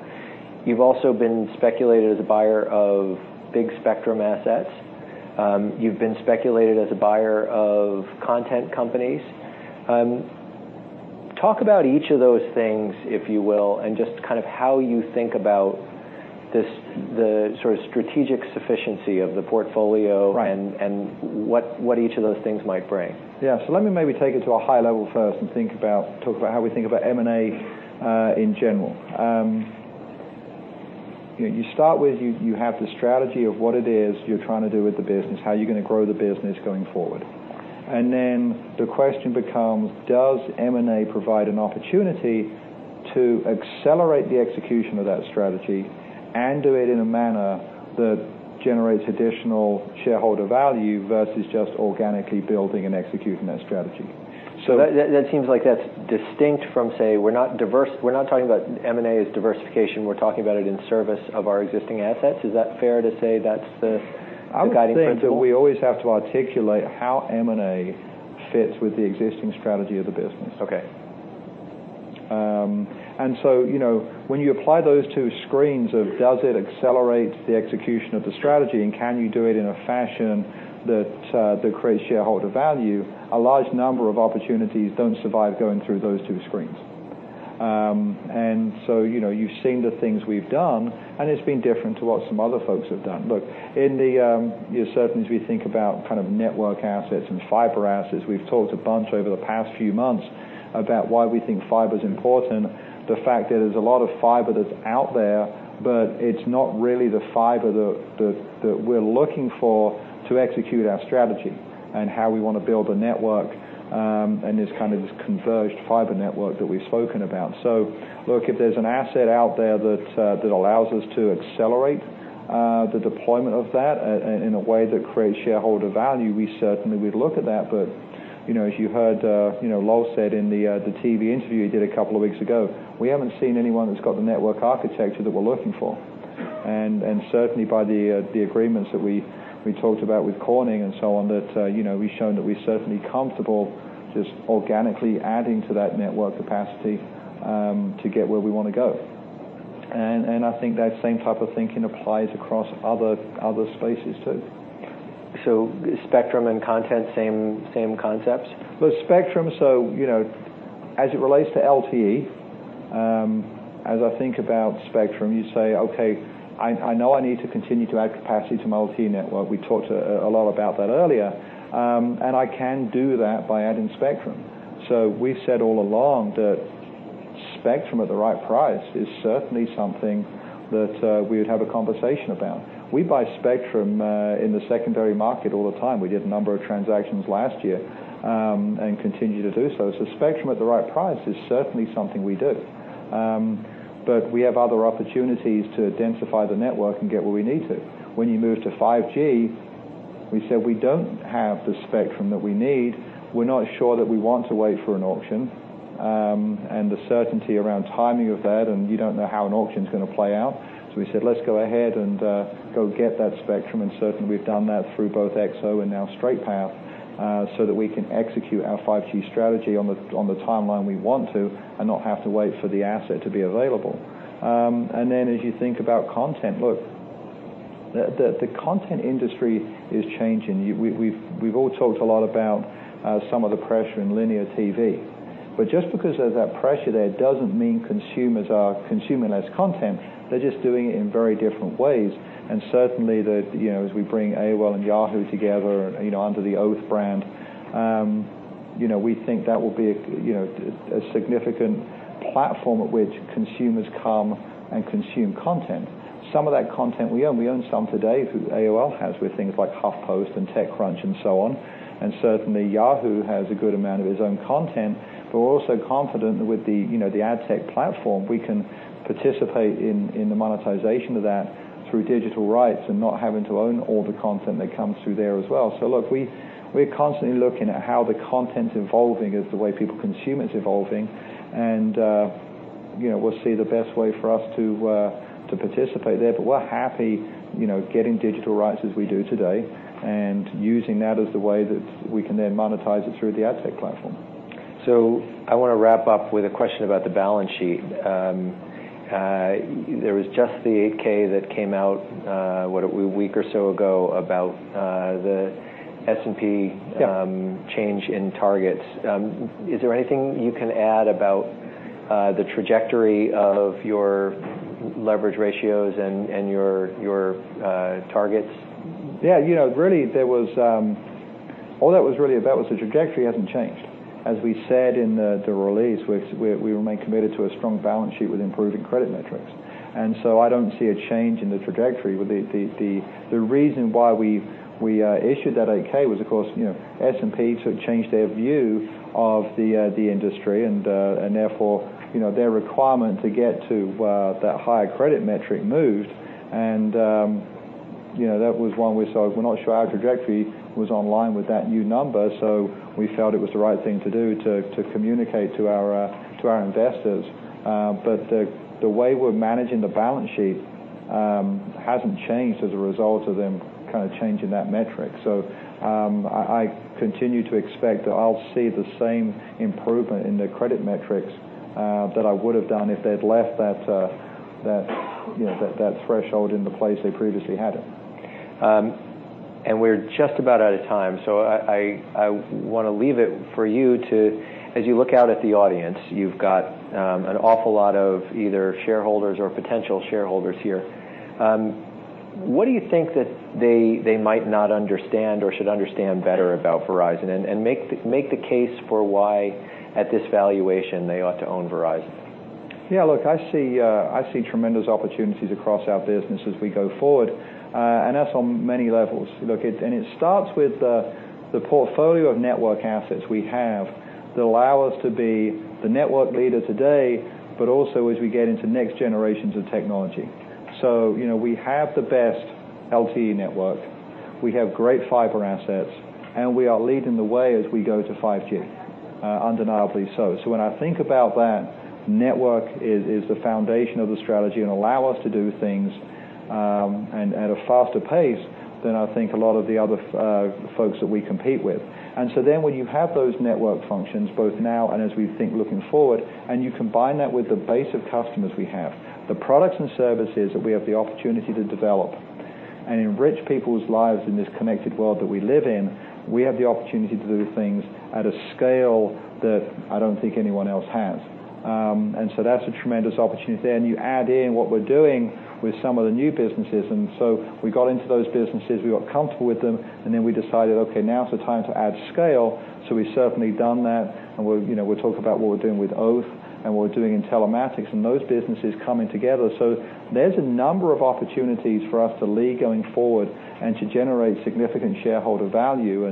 Speaker 1: You've also been speculated as a buyer of big spectrum assets. You've been speculated as a buyer of content companies. Talk about each of those things, if you will, and just how you think about the strategic sufficiency of the portfolio-
Speaker 2: Right
Speaker 1: What each of those things might bring.
Speaker 2: Let me maybe take it to a high level first and talk about how we think about M&A in general. You start with, you have the strategy of what it is you're trying to do with the business, how you're going to grow the business going forward. Then the question becomes, does M&A provide an opportunity to accelerate the execution of that strategy and do it in a manner that generates additional shareholder value versus just organically building and executing that strategy?
Speaker 1: That seems like that's distinct from, say, we're not talking about M&A as diversification, we're talking about it in service of our existing assets. Is that fair to say that's the guiding principle?
Speaker 2: I would think that we always have to articulate how M&A fits with the existing strategy of the business.
Speaker 1: Okay.
Speaker 2: When you apply those two screens of does it accelerate the execution of the strategy and can you do it in a fashion that creates shareholder value, a large number of opportunities don't survive going through those two screens. You've seen the things we've done, and it's been different to what some other folks have done. Certainly as we think about network assets and fiber assets, we've talked a bunch over the past few months about why we think fiber's important, the fact that there's a lot of fiber that's out there, but it's not really the fiber that we're looking for to execute our strategy and how we want to build a network, and this kind of this converged fiber network that we've spoken about. If there's an asset out there that allows us to accelerate the deployment of that in a way that creates shareholder value, we certainly would look at that. As you heard Lowell say in the TV interview he did a couple of weeks ago, we haven't seen anyone that's got the network architecture that we're looking for. Certainly by the agreements that we talked about with Corning and so on, that we've shown that we're certainly comfortable just organically adding to that network capacity to get where we want to go. I think that same type of thinking applies across other spaces, too.
Speaker 1: Spectrum and content, same concepts?
Speaker 2: Well, spectrum, so as it relates to LTE, as I think about spectrum, you say, okay, I know I need to continue to add capacity to my LTE network. We talked a lot about that earlier. I can do that by adding spectrum. We've said all along that spectrum at the right price is certainly something that we would have a conversation about. We buy spectrum in the secondary market all the time. We did a number of transactions last year and continue to do so. Spectrum at the right price is certainly something we do. We have other opportunities to densify the network and get where we need to. When you move to 5G, we said we don't have the spectrum that we need. We're not sure that we want to wait for an auction and the certainty around timing of that, and you don't know how an auction's going to play out. We said let's go ahead and go get that spectrum, and certainly we've done that through both XO and now Straight Path so that we can execute our 5G strategy on the timeline we want to and not have to wait for the asset to be available. Then as you think about content, look, the content industry is changing. We've all talked a lot about some of the pressure in linear TV. Just because there's that pressure there doesn't mean consumers are consuming less content. They're just doing it in very different ways. Certainly that as we bring AOL and Yahoo together under the Oath brand, we think that will be a significant platform at which consumers come and consume content. Some of that content we own. We own some today, AOL has, with things like HuffPost and TechCrunch and so on. Certainly Yahoo has a good amount of its own content. We're also confident that with the ad tech platform, we can participate in the monetization of that through digital rights and not having to own all the content that comes through there as well. Look, we're constantly looking at how the content evolving as the way people consume it's evolving and we'll see the best way for us to participate there. We're happy getting digital rights as we do today and using that as the way that we can then monetize it through the ad tech platform.
Speaker 1: I want to wrap up with a question about the balance sheet. There was just the 8-K that came out, what, a week or so ago about the S&P-
Speaker 2: Yeah
Speaker 1: change in targets. Is there anything you can add about the trajectory of your leverage ratios and your targets?
Speaker 2: Yeah. Really, all that was really about was the trajectory hasn't changed. As we said in the release, we remain committed to a strong balance sheet with improving credit metrics. I don't see a change in the trajectory. The reason why we issued that 8-K was, of course, S&P sort of changed their view of the industry and therefore their requirement to get to that higher credit metric moved and that was one we saw. We're not sure our trajectory was online with that new number, so we felt it was the right thing to do to communicate to our investors. The way we're managing the balance sheet hasn't changed as a result of them changing that metric. I continue to expect that I'll see the same improvement in their credit metrics that I would have done if they'd left that threshold in the place they previously had it.
Speaker 1: We're just about out of time. I want to leave it for you to, as you look out at the audience, you've got an awful lot of either shareholders or potential shareholders here. What do you think that they might not understand or should understand better about Verizon, and make the case for why, at this valuation, they ought to own Verizon?
Speaker 2: Look, I see tremendous opportunities across our business as we go forward. That's on many levels. It starts with the portfolio of network assets we have that allow us to be the network leader today, but also as we get into next generations of technology. We have the best LTE network. We have great fiber assets, and we are leading the way as we go to 5G, undeniably so. When I think about that, network is the foundation of the strategy and allows us to do things at a faster pace than I think a lot of the other folks that we compete with. When you have those network functions both now and as we think looking forward, and you combine that with the base of customers we have, the products and services that we have the opportunity to develop and enrich people's lives in this connected world that we live in, we have the opportunity to do things at a scale that I don't think anyone else has. That's a tremendous opportunity. Then you add in what we're doing with some of the new businesses. We got into those businesses, we got comfortable with them, and then we decided, okay, now's the time to add scale. We've certainly done that. We talk about what we're doing with Oath and what we're doing in Telematics and those businesses coming together. There's a number of opportunities for us to lead going forward and to generate significant shareholder value.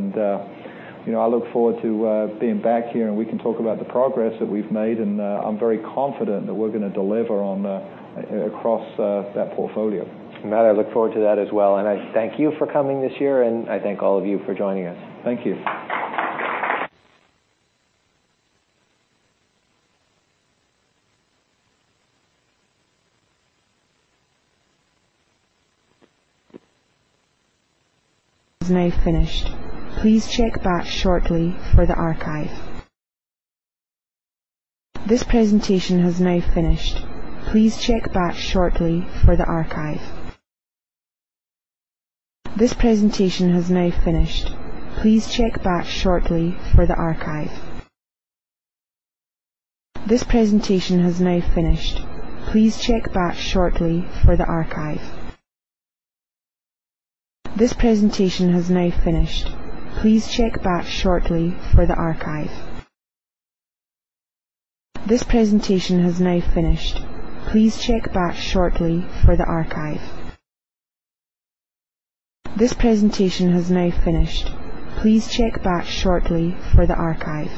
Speaker 2: I look forward to being back here, and we can talk about the progress that we've made, and I'm very confident that we're going to deliver across that portfolio.
Speaker 1: Matt, I look forward to that as well, and I thank you for coming this year, and I thank all of you for joining us.
Speaker 2: Thank you.
Speaker 3: Is now finished. Please check back shortly for the archive. This presentation has now finished. Please check back shortly for the archive. This presentation has now finished. Please check back shortly for the archive.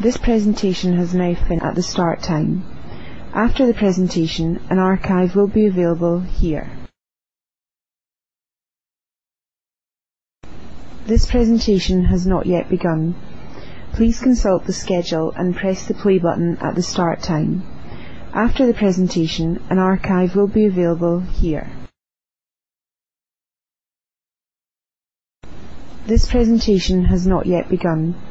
Speaker 3: This presentation has now finished. Please check back shortly for the archive. This presentation has now finished. Please check back shortly for the archive. This presentation has now finished. Please check back shortly for the archive. This presentation has now finished. Please check back shortly for the archive. This presentation has now finished. Please check back shortly for the archive. This presentation has now. At the start time. After the presentation, an archive will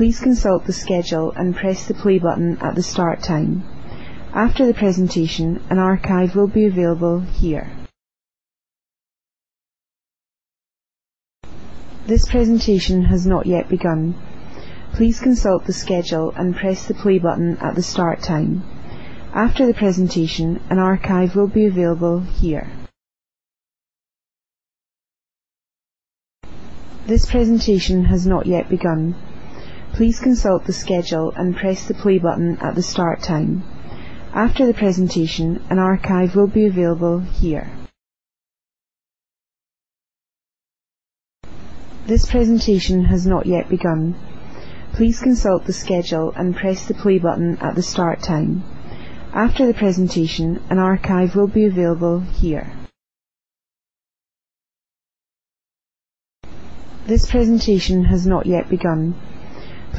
Speaker 3: be available here. This presentation has not yet begun. Please consult the schedule and press the play button at the start time. After the presentation, an archive will be available here. This presentation has not yet begun. Please consult the schedule and press the play button at the start time. After the presentation, an archive will be available here. This presentation has not yet begun. Please consult the schedule and press the play button at the start time. After the presentation, an archive will be available here. This presentation has not yet begun.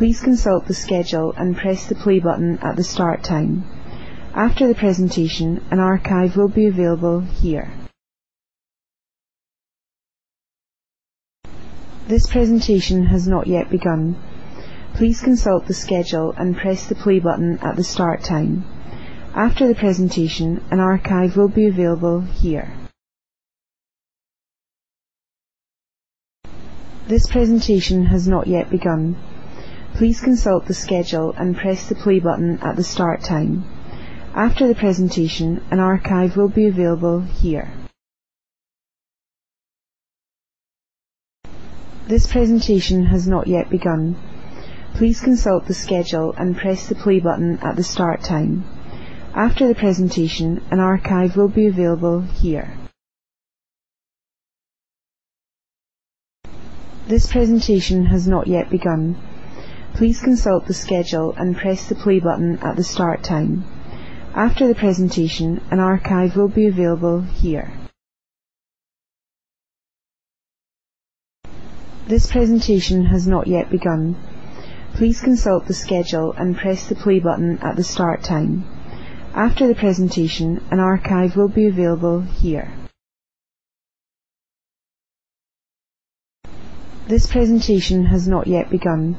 Speaker 3: Please consult the schedule and press the play button at the start time. After the presentation, an archive will be available here. This presentation has not yet begun. Please consult the schedule and press the play button at the start time. After the presentation, an archive will be available here. This presentation has not yet begun. Please consult the schedule and press the play button at the start time. After the presentation, an archive will be available here. This presentation has not yet begun. Please consult the schedule and press the play button at the start time. After the presentation, an archive will be available here. This presentation has not yet begun. Please consult the schedule and press the play button at the start time. After the presentation, an archive will be available here. This presentation has not yet begun. Please consult the schedule and press the play button at the start time. After the presentation, an archive will be available here. This presentation has not yet begun.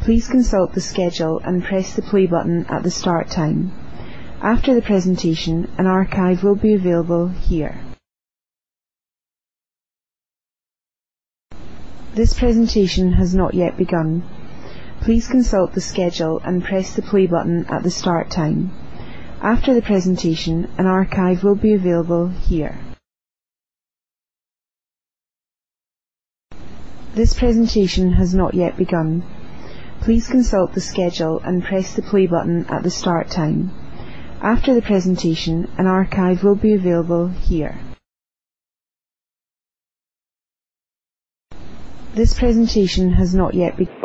Speaker 3: Please consult the schedule and press the play button at the start time. After the presentation, an archive will be available here. This presentation has not yet begun. Please consult the schedule and press the play button at the start time. After the presentation, an archive will be available here. This presentation has not yet begun. Please consult the schedule and press the play button at the start time. After the presentation, an archive will be available here. This presentation has not yet begun.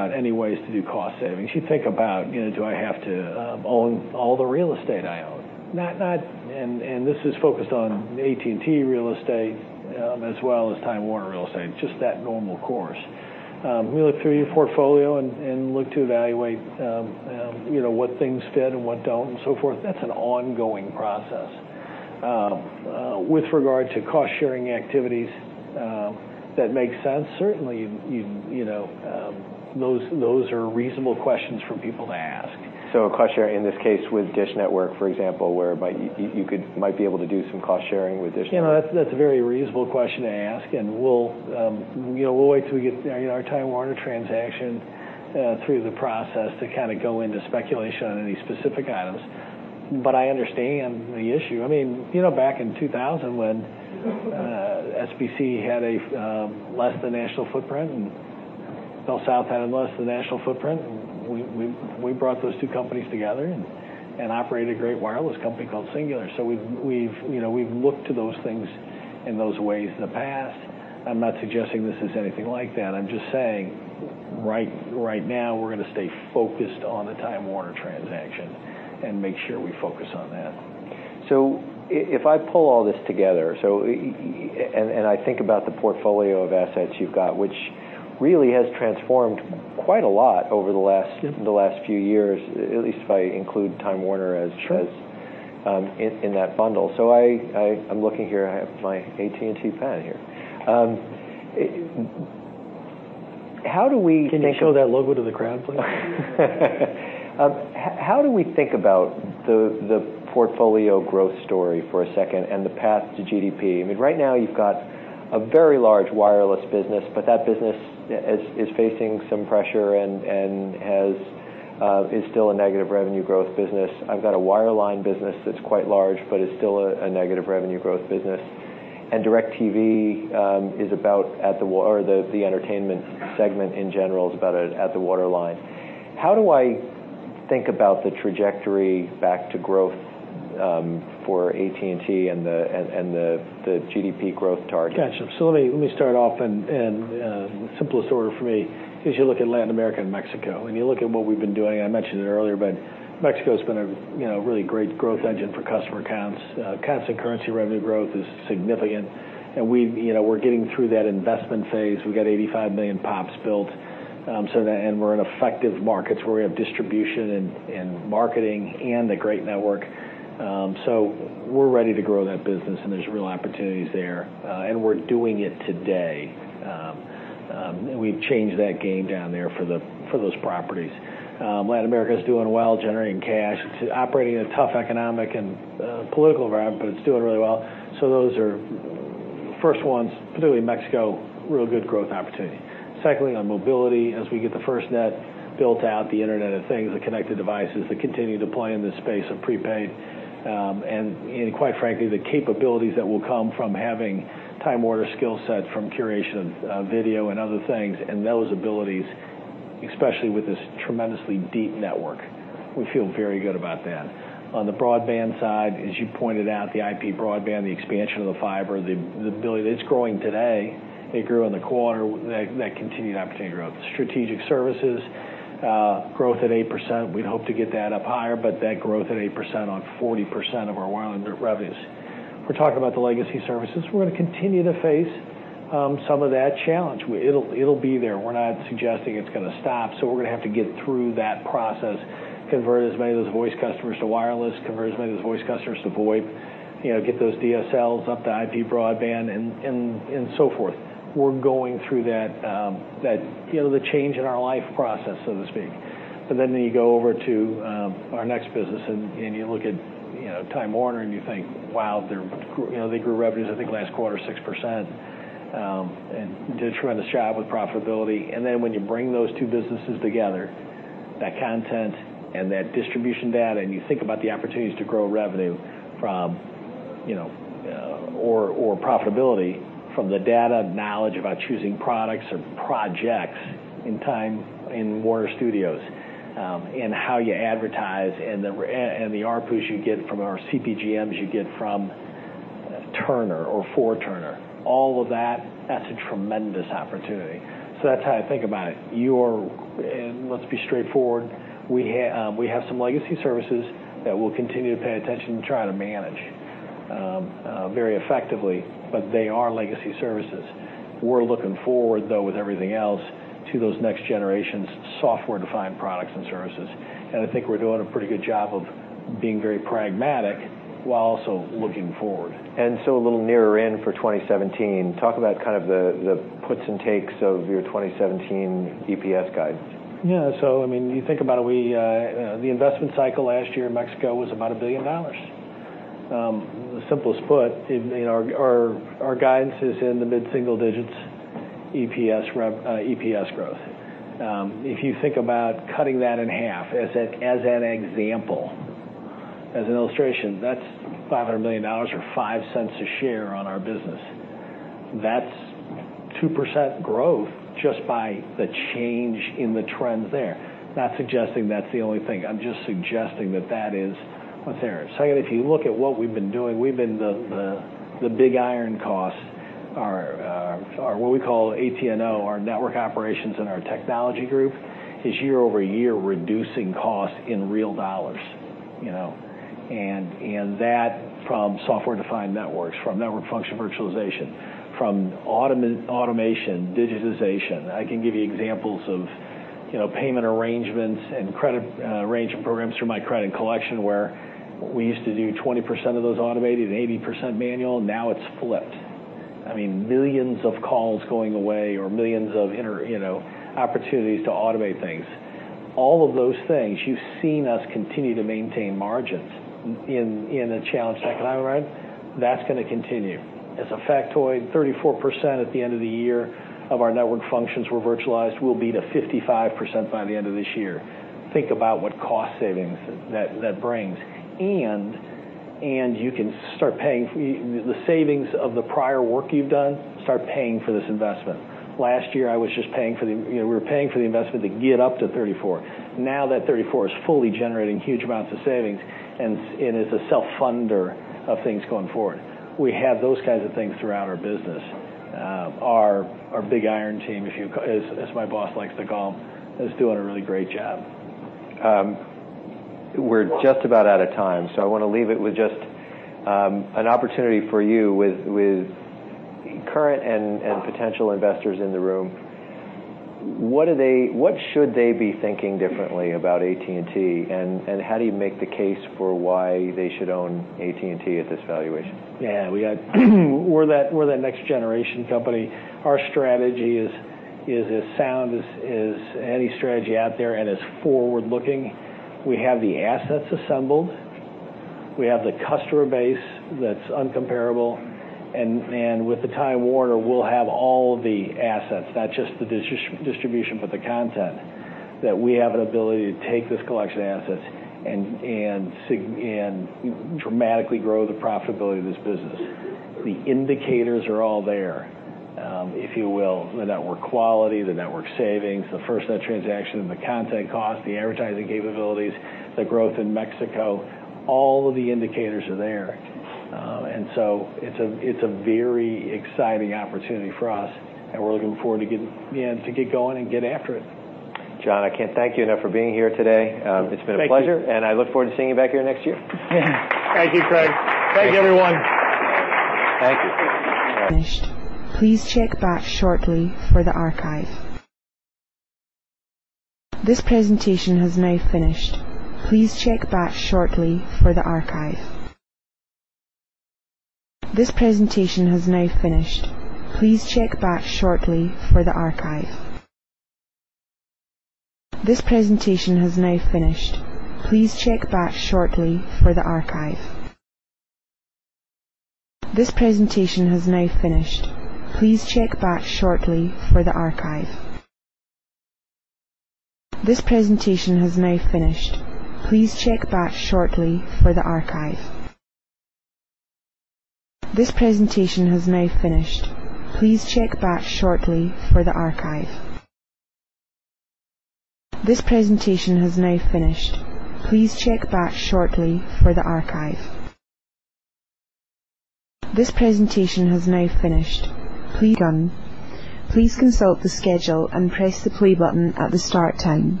Speaker 3: Please consult the schedule and press the play button at the start time.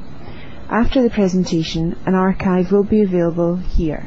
Speaker 3: After the presentation, an archive will be available here.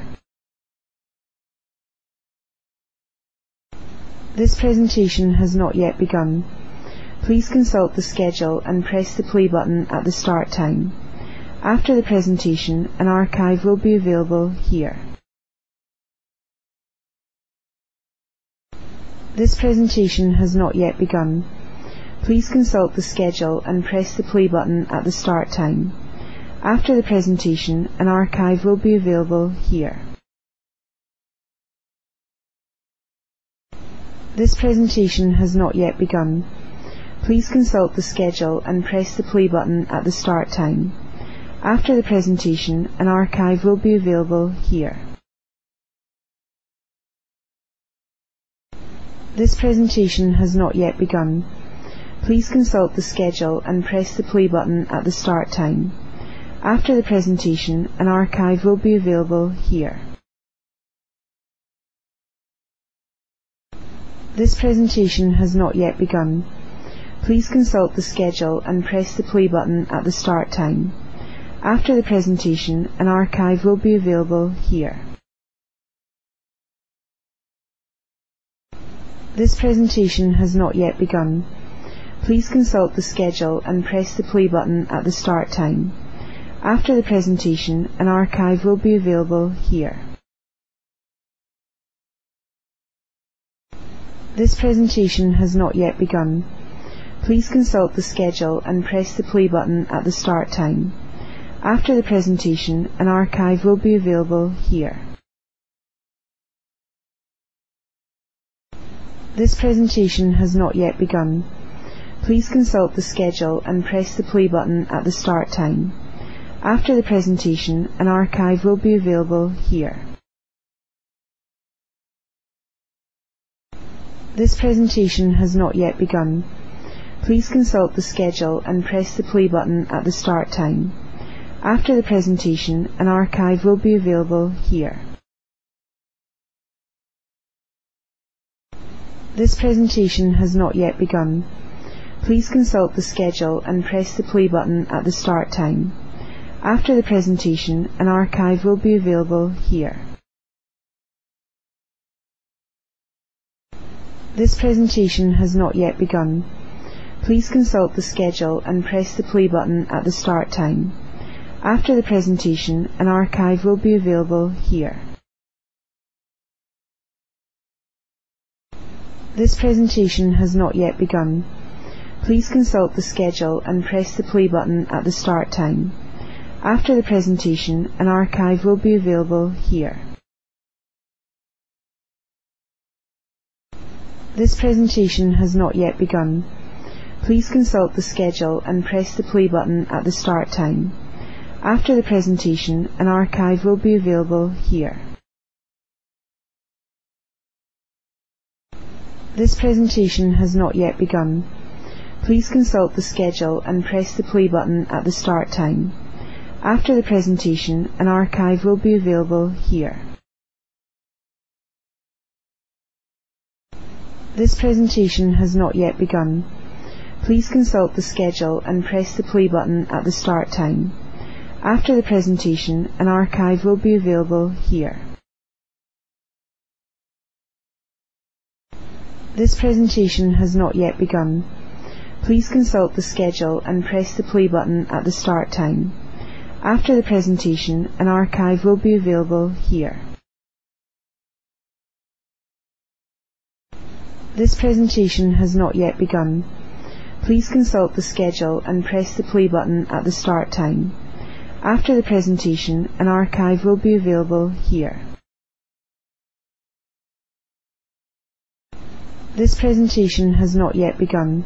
Speaker 3: This presentation has not yet begun.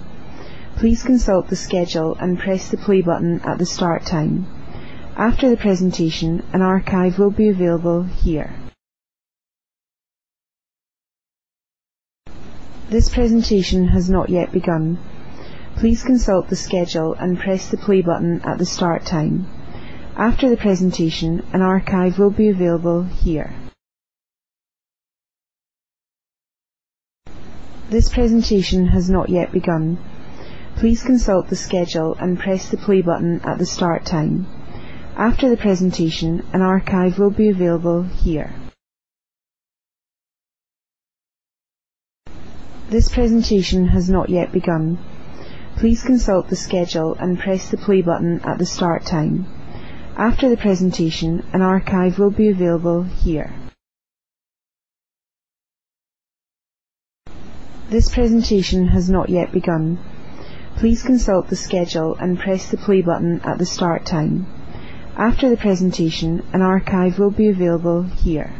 Speaker 3: Please consult the schedule and press the play button at the start time. After the presentation, an archive will be available here. This presentation has not yet begun. Please consult the schedule and press the play button at the start time. After the presentation, an archive will be available here. This presentation has not yet begun. Please consult the schedule and press the play button at the start time. After the presentation, an archive will be available here. This presentation has not yet begun. Please consult the schedule and press the play button at the start time. After the presentation, an archive will be available here. This presentation has not yet begun. Please consult the schedule and press the play button at the start time. After the presentation, an archive will be available here.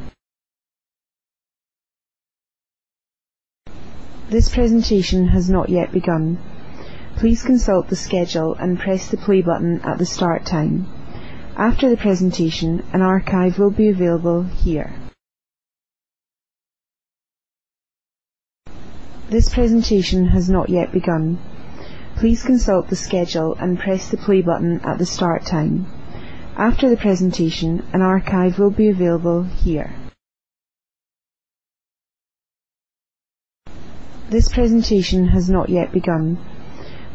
Speaker 3: This presentation has not yet begun. Please consult the schedule and press the play button at the start time. After the presentation, an archive will be available here. This presentation has not yet begun. Please consult the schedule and press the play button at the start time. After the presentation, an archive will be available here. This presentation has not yet begun.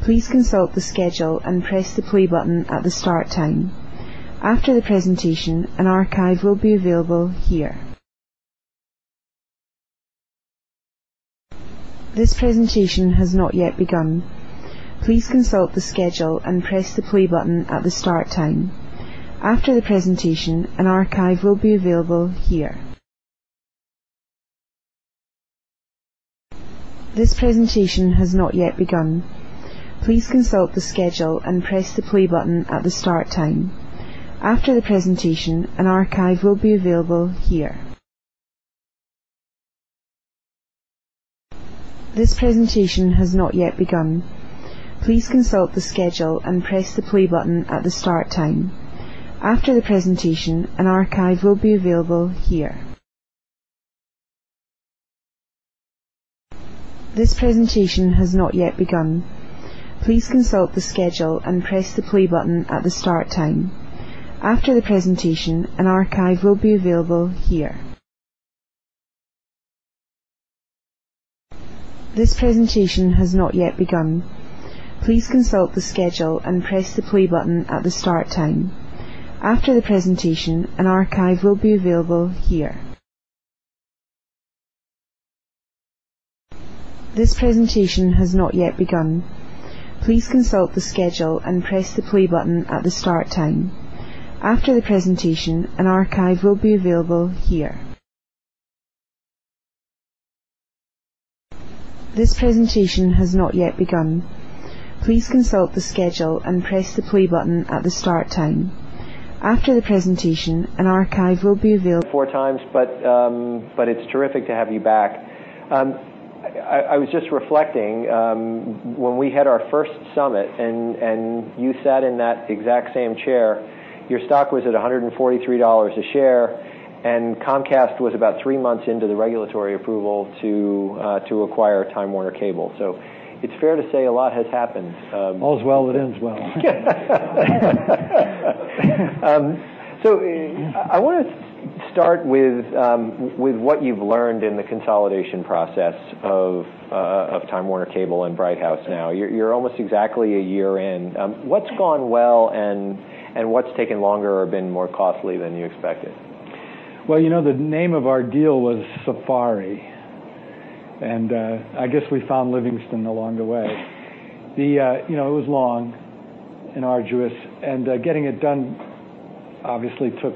Speaker 3: Please consult the schedule and press the play button at the start time. After the presentation, an archive will be available here. This presentation has not yet begun. Please consult the schedule and press the play button at the start time. After the presentation, an archive will be available here. This presentation has not yet begun. Please consult the schedule and press the play button at the start time. After the presentation, an archive will be available here. This presentation has not yet begun. Please consult the schedule and press the play button at the start time. After the presentation, an archive will be available here. This presentation has not yet begun. Please consult the schedule and press the play button at the start time. After the presentation, an archive will be available here. This presentation has not yet begun. Please consult the schedule and press the play button at the start time. After the presentation, an archive will be available here.
Speaker 1: Comcast was about three months into the regulatory approval to acquire Time Warner Cable. It's fair to say a lot has happened.
Speaker 4: All's well that ends well.
Speaker 1: I want to start with what you've learned in the consolidation process of Time Warner Cable and Bright House now. You're almost exactly a year in. What's gone well and what's taken longer or been more costly than you expected?
Speaker 4: Well, the name of our deal was Safari, I guess we found Livingstone along the way. It was long and arduous, getting it done obviously took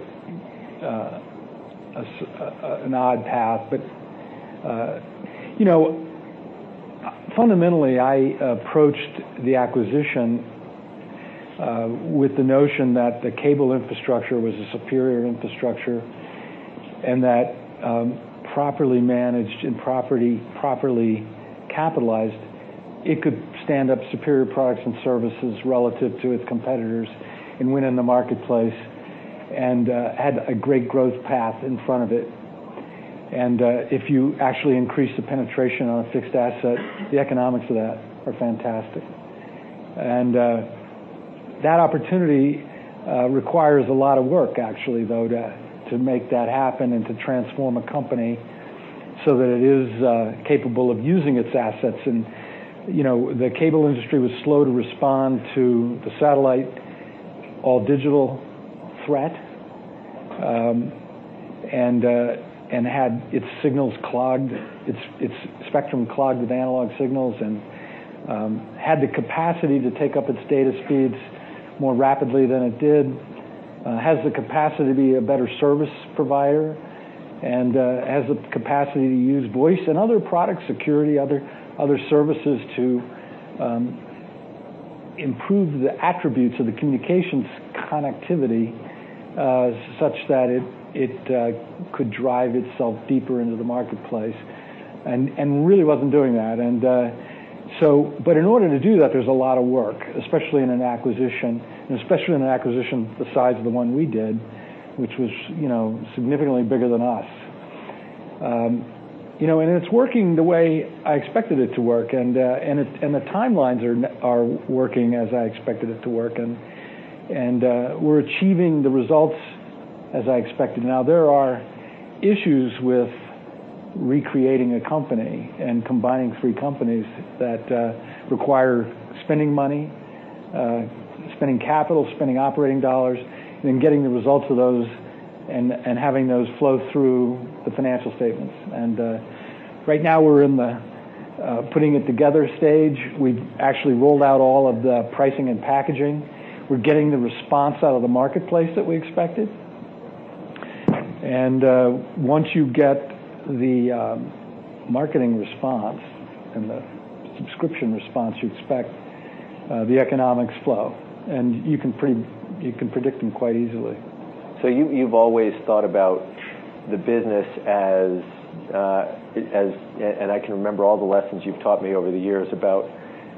Speaker 4: an odd path. Fundamentally, I approached the acquisition with the notion that the cable infrastructure was a superior infrastructure and that properly managed and properly capitalized, it could stand up superior products and services relative to its competitors and win in the marketplace and had a great growth path in front of it. If you actually increase the penetration on a fixed asset, the economics of that are fantastic. That opportunity requires a lot of work, actually, though, to make that happen and to transform a company so that it is capable of using its assets. The cable industry was slow to respond to the satellite, all digital threat, and had its spectrum clogged with analog signals and had the capacity to take up its data speeds more rapidly than it did. Has the capacity to be a better service provider and has the capacity to use voice and other product security, other services to improve the attributes of the communications connectivity, such that it could drive itself deeper into the marketplace and really wasn't doing that. In order to do that, there's a lot of work, especially in an acquisition, and especially in an acquisition the size of the one we did, which was significantly bigger than us. It's working the way I expected it to work, and the timelines are working as I expected it to work, and we're achieving the results as I expected. Now, there are issues with recreating a company and combining three companies that require spending money, spending capital, spending operating dollars, and then getting the results of those and having those flow through the financial statements. Right now we're in the putting it together stage. We've actually rolled out all of the pricing and packaging. We're getting the response out of the marketplace that we expected. Once you get the marketing response and the subscription response you expect, the economics flow, and you can predict them quite easily.
Speaker 1: You've always thought about the business and I can remember all the lessons you've taught me over the years about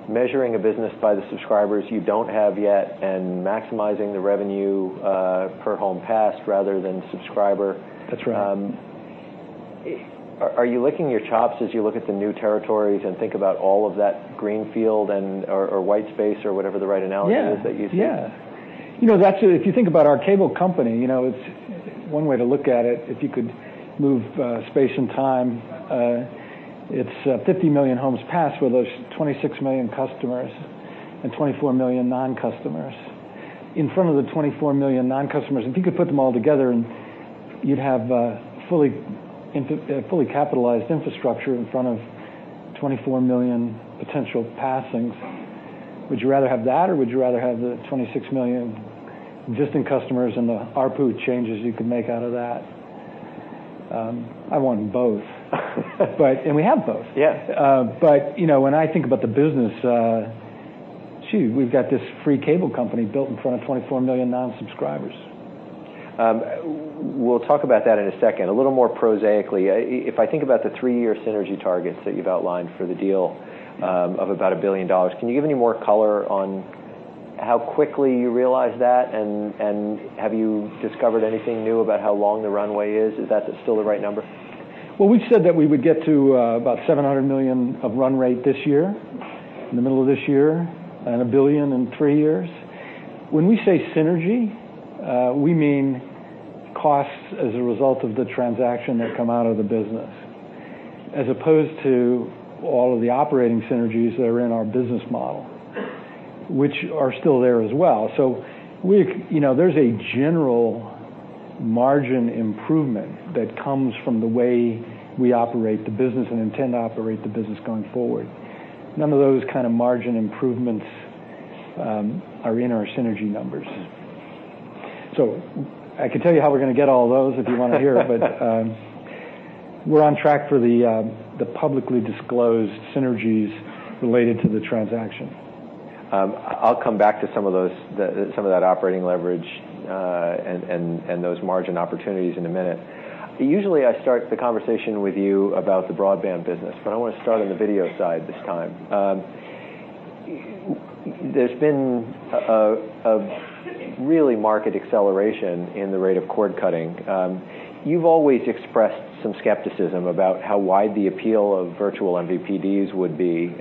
Speaker 1: measuring a business by the subscribers you don't have yet and maximizing the revenue per home passed rather than subscriber.
Speaker 4: That's right.
Speaker 1: Are you licking your chops as you look at the new territories and think about all of that greenfield or white space or whatever the right analogy is that you see?
Speaker 4: Yeah. Actually, if you think about our cable company, one way to look at it, if you could move space and time, it's 50 million homes passed with those 26 million customers and 24 million non-customers. In front of the 24 million non-customers, if you could put them all together and you'd have a fully capitalized infrastructure in front of 24 million potential passings, would you rather have that or would you rather have the 26 million existing customers and the ARPU changes you could make out of that? I want both. We have both.
Speaker 1: Yeah.
Speaker 4: When I think about the business, gee, we've got this free cable company built in front of 24 million non-subscribers.
Speaker 1: We'll talk about that in a second. A little more prosaically, if I think about the 3-year synergy targets that you've outlined for the deal of about $1 billion, can you give any more color on how quickly you realize that? Have you discovered anything new about how long the runway is? Is that still the right number?
Speaker 4: Well, we've said that we would get to about $700 million of run rate this year, in the middle of this year, $1 billion in 3 years. When we say synergy, we mean costs as a result of the transaction that come out of the business, as opposed to all of the operating synergies that are in our business model, which are still there as well. There's a general margin improvement that comes from the way we operate the business and intend to operate the business going forward. None of those kind of margin improvements are in our synergy numbers. I can tell you how we're going to get all those if you want to hear. We're on track for the publicly disclosed synergies related to the transaction.
Speaker 1: I'll come back to some of that operating leverage and those margin opportunities in a minute. Usually, I start the conversation with you about the broadband business, but I want to start on the video side this time. There's been a really market acceleration in the rate of cord-cutting. You've always expressed some skepticism about how wide the appeal of virtual MVPDs would be.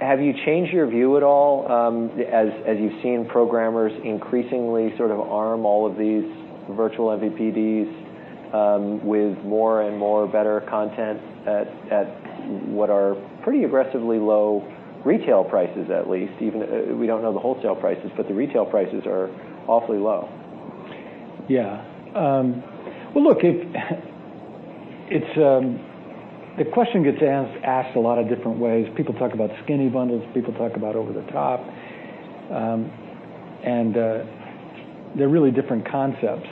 Speaker 1: Have you changed your view at all as you've seen programmers increasingly sort of arm all of these virtual MVPDs with more and more better content at what are pretty aggressively low retail prices, at least? We don't know the wholesale prices, but the retail prices are awfully low.
Speaker 4: Well, look, the question gets asked a lot of different ways. People talk about skinny bundles, people talk about over-the-top, and they're really different concepts.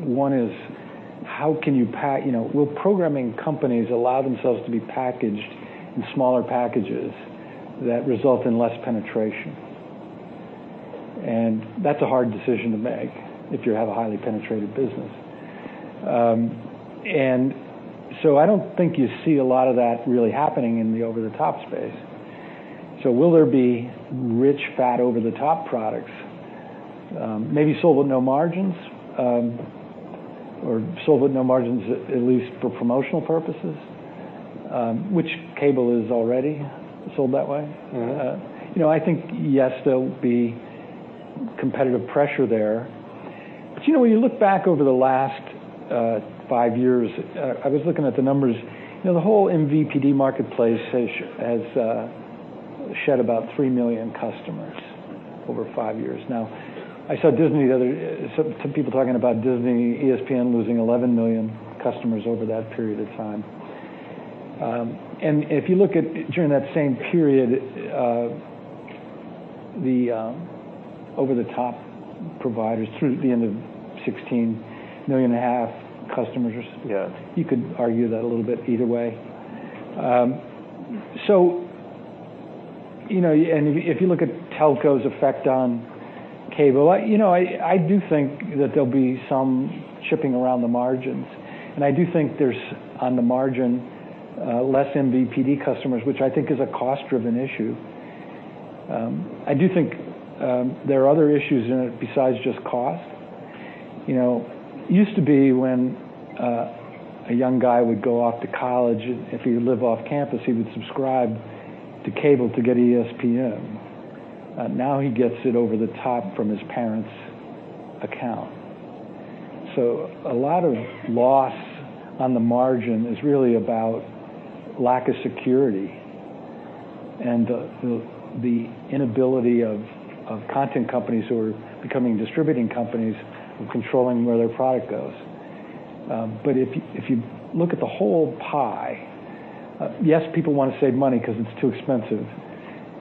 Speaker 4: One is will programming companies allow themselves to be packaged in smaller packages that result in less penetration? That's a hard decision to make if you have a highly penetrated business. I don't think you see a lot of that really happening in the over-the-top space. Will there be rich, fat, over-the-top products maybe sold with no margins, or sold with no margins at least for promotional purposes, which cable is already sold that way.
Speaker 1: Right.
Speaker 4: I think, yes, there'll be competitive pressure there. When you look back over the last 5 years, I was looking at the numbers, the whole MVPD marketplace has shed about 3 million customers over 5 years now. I saw some people talking about Disney ESPN losing 11 million customers over that period of time. If you look at during that same period, the over-the-top providers through the end of 2016, 1.5 million customers.
Speaker 1: Yeah
Speaker 4: You could argue that a little bit either way. If you look at telco's effect on cable, I do think that there'll be some chipping around the margins, and I do think there's, on the margin, less MVPD customers, which I think is a cost-driven issue. I do think there are other issues in it besides just cost. Used to be when a young guy would go off to college, if he would live off campus, he would subscribe to cable to get ESPN. Now he gets it over-the-top from his parents' account. A lot of loss on the margin is really about lack of security and the inability of content companies who are becoming distributing companies from controlling where their product goes. If you look at the whole pie, yes, people want to save money because it's too expensive,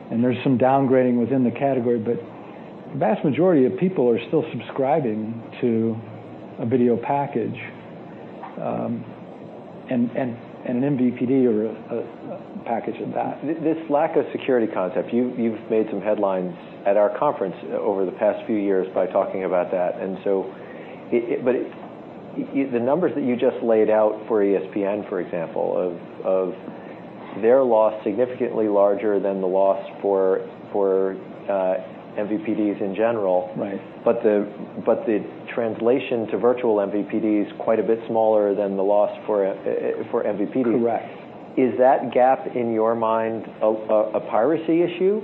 Speaker 4: and there's some downgrading within the category, but the vast majority of people are still subscribing to a video package, and an MVPD or a package of that.
Speaker 1: This lack of security concept, you've made some headlines at our conference over the past few years by talking about that. The numbers that you just laid out for ESPN, for example, of their loss significantly larger than the loss for MVPDs in general.
Speaker 4: Right.
Speaker 1: The translation to virtual MVPD is quite a bit smaller than the loss for MVPD.
Speaker 4: Correct.
Speaker 1: Is that gap, in your mind, a piracy issue?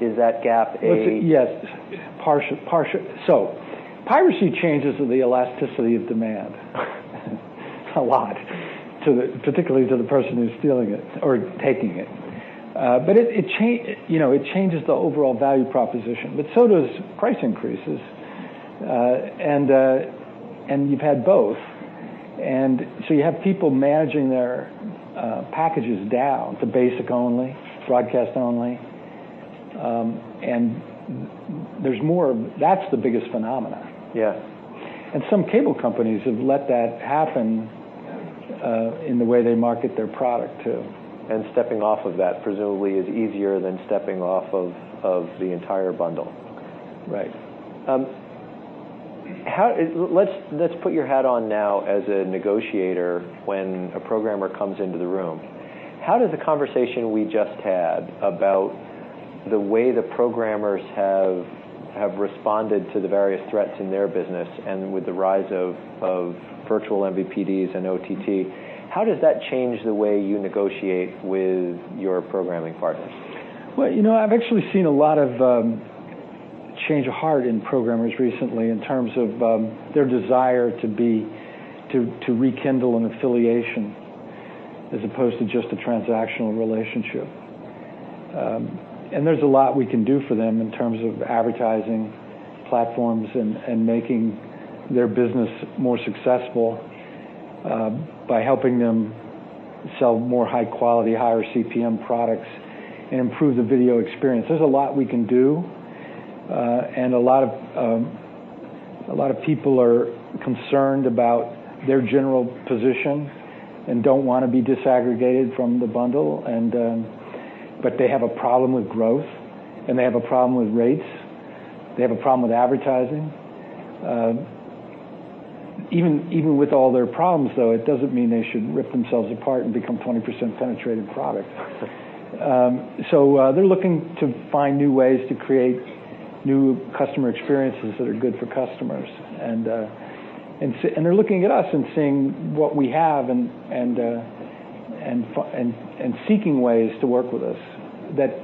Speaker 1: Is that gap?
Speaker 4: Yes. Piracy changes the elasticity of demand a lot, particularly to the person who's stealing it or taking it. It changes the overall value proposition, but so does price increases, and you've had both. You have people managing their packages down to basic only, broadcast only, and that's the biggest phenomenon.
Speaker 1: Yeah.
Speaker 4: some cable companies have let that happen in the way they market their product, too.
Speaker 1: stepping off of that presumably is easier than stepping off of the entire bundle.
Speaker 4: Right.
Speaker 1: Let's put your hat on now as a negotiator when a programmer comes into the room. How does the conversation we just had about the way the programmers have responded to the various threats in their business and with the rise of virtual MVPDs and OTT, how does that change the way you negotiate with your programming partners?
Speaker 4: Well, I've actually seen a lot of change of heart in programmers recently in terms of their desire to rekindle an affiliation as opposed to just a transactional relationship. There's a lot we can do for them in terms of advertising platforms and making their business more successful by helping them sell more high-quality, higher CPM products and improve the video experience. There's a lot we can do. A lot of people are concerned about their general position and don't want to be disaggregated from the bundle. They have a problem with growth, and they have a problem with rates, they have a problem with advertising. Even with all their problems, though, it doesn't mean they should rip themselves apart and become 20% penetrated product. They're looking to find new ways to create new customer experiences that are good for customers. They're looking at us and seeing what we have, and seeking ways to work with us that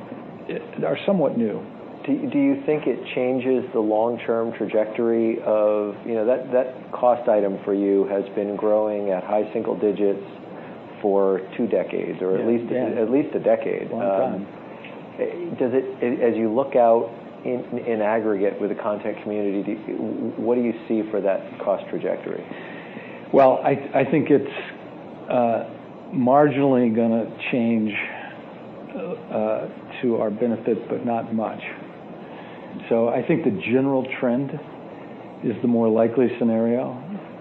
Speaker 4: are somewhat new.
Speaker 1: Do you think it changes the long-term trajectory of That cost item for you has been growing at high single digits for two decades?
Speaker 4: Yeah
Speaker 1: or at least a decade.
Speaker 4: Long time.
Speaker 1: As you look out in aggregate with the content community, what do you see for that cost trajectory?
Speaker 4: Well, I think it's marginally going to change to our benefit, but not much. I think the general trend is the more likely scenario.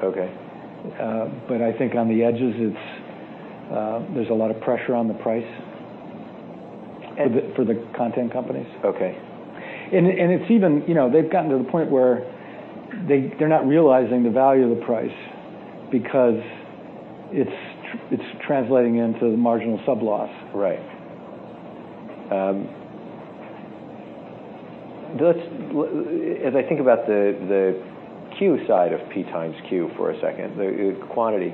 Speaker 1: Okay.
Speaker 4: I think on the edges, there's a lot of pressure on the price for the content companies.
Speaker 1: Okay.
Speaker 4: They've gotten to the point where they're not realizing the value of the price because it's translating into marginal sub-loss.
Speaker 1: Right. As I think about the Q side of P times Q for a second, the quantity,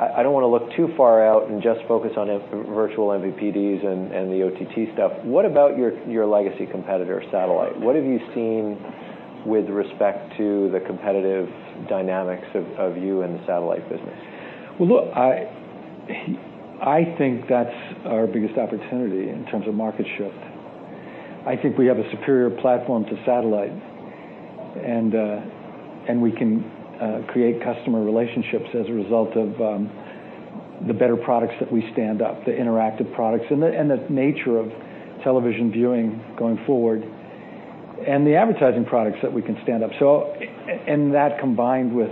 Speaker 1: I don't want to look too far out and just focus on virtual MVPDs and the OTT stuff. What about your legacy competitor, Satellite? What have you seen with respect to the competitive dynamics of you and the Satellite business?
Speaker 4: Well, look, I think that's our biggest opportunity in terms of market shift. I think we have a superior platform to Satellite. We can create customer relationships as a result of the better products that we stand up, the interactive products, and the nature of television viewing going forward, and the advertising products that we can stand up. That combined with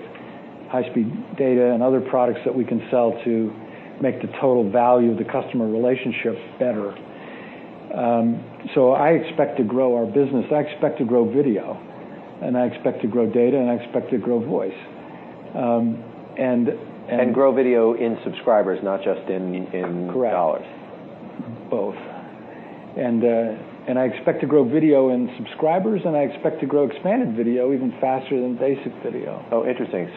Speaker 4: high-speed data and other products that we can sell to make the total value of the customer relationship better. I expect to grow our business. I expect to grow video, and I expect to grow data, and I expect to grow voice.
Speaker 1: Grow video in subscribers, not just in-
Speaker 4: Correct
Speaker 1: dollars.
Speaker 4: Both. I expect to grow video in subscribers, and I expect to grow expanded video even faster than basic video.
Speaker 1: Oh, interesting.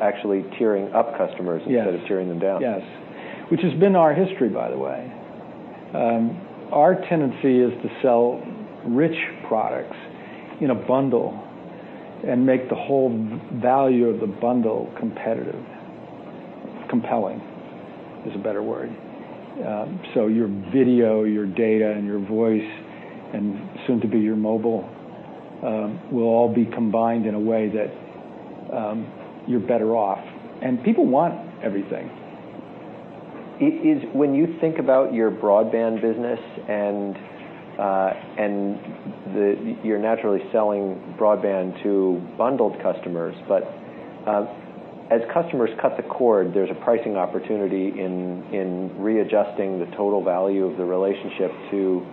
Speaker 1: actually tiering up customers-
Speaker 4: Yes
Speaker 1: instead of tiering them down.
Speaker 4: Yes. Which has been our history, by the way. Our tendency is to sell rich products in a bundle and make the whole value of the bundle competitive. Compelling, is a better word. Your video, your data, and your voice, and soon to be your mobile, will all be combined in a way that you're better off. People want everything.
Speaker 1: When you think about your broadband business, and you're naturally selling broadband to bundled customers. As customers cut the cord, there's a pricing opportunity in readjusting the total value of the relationship to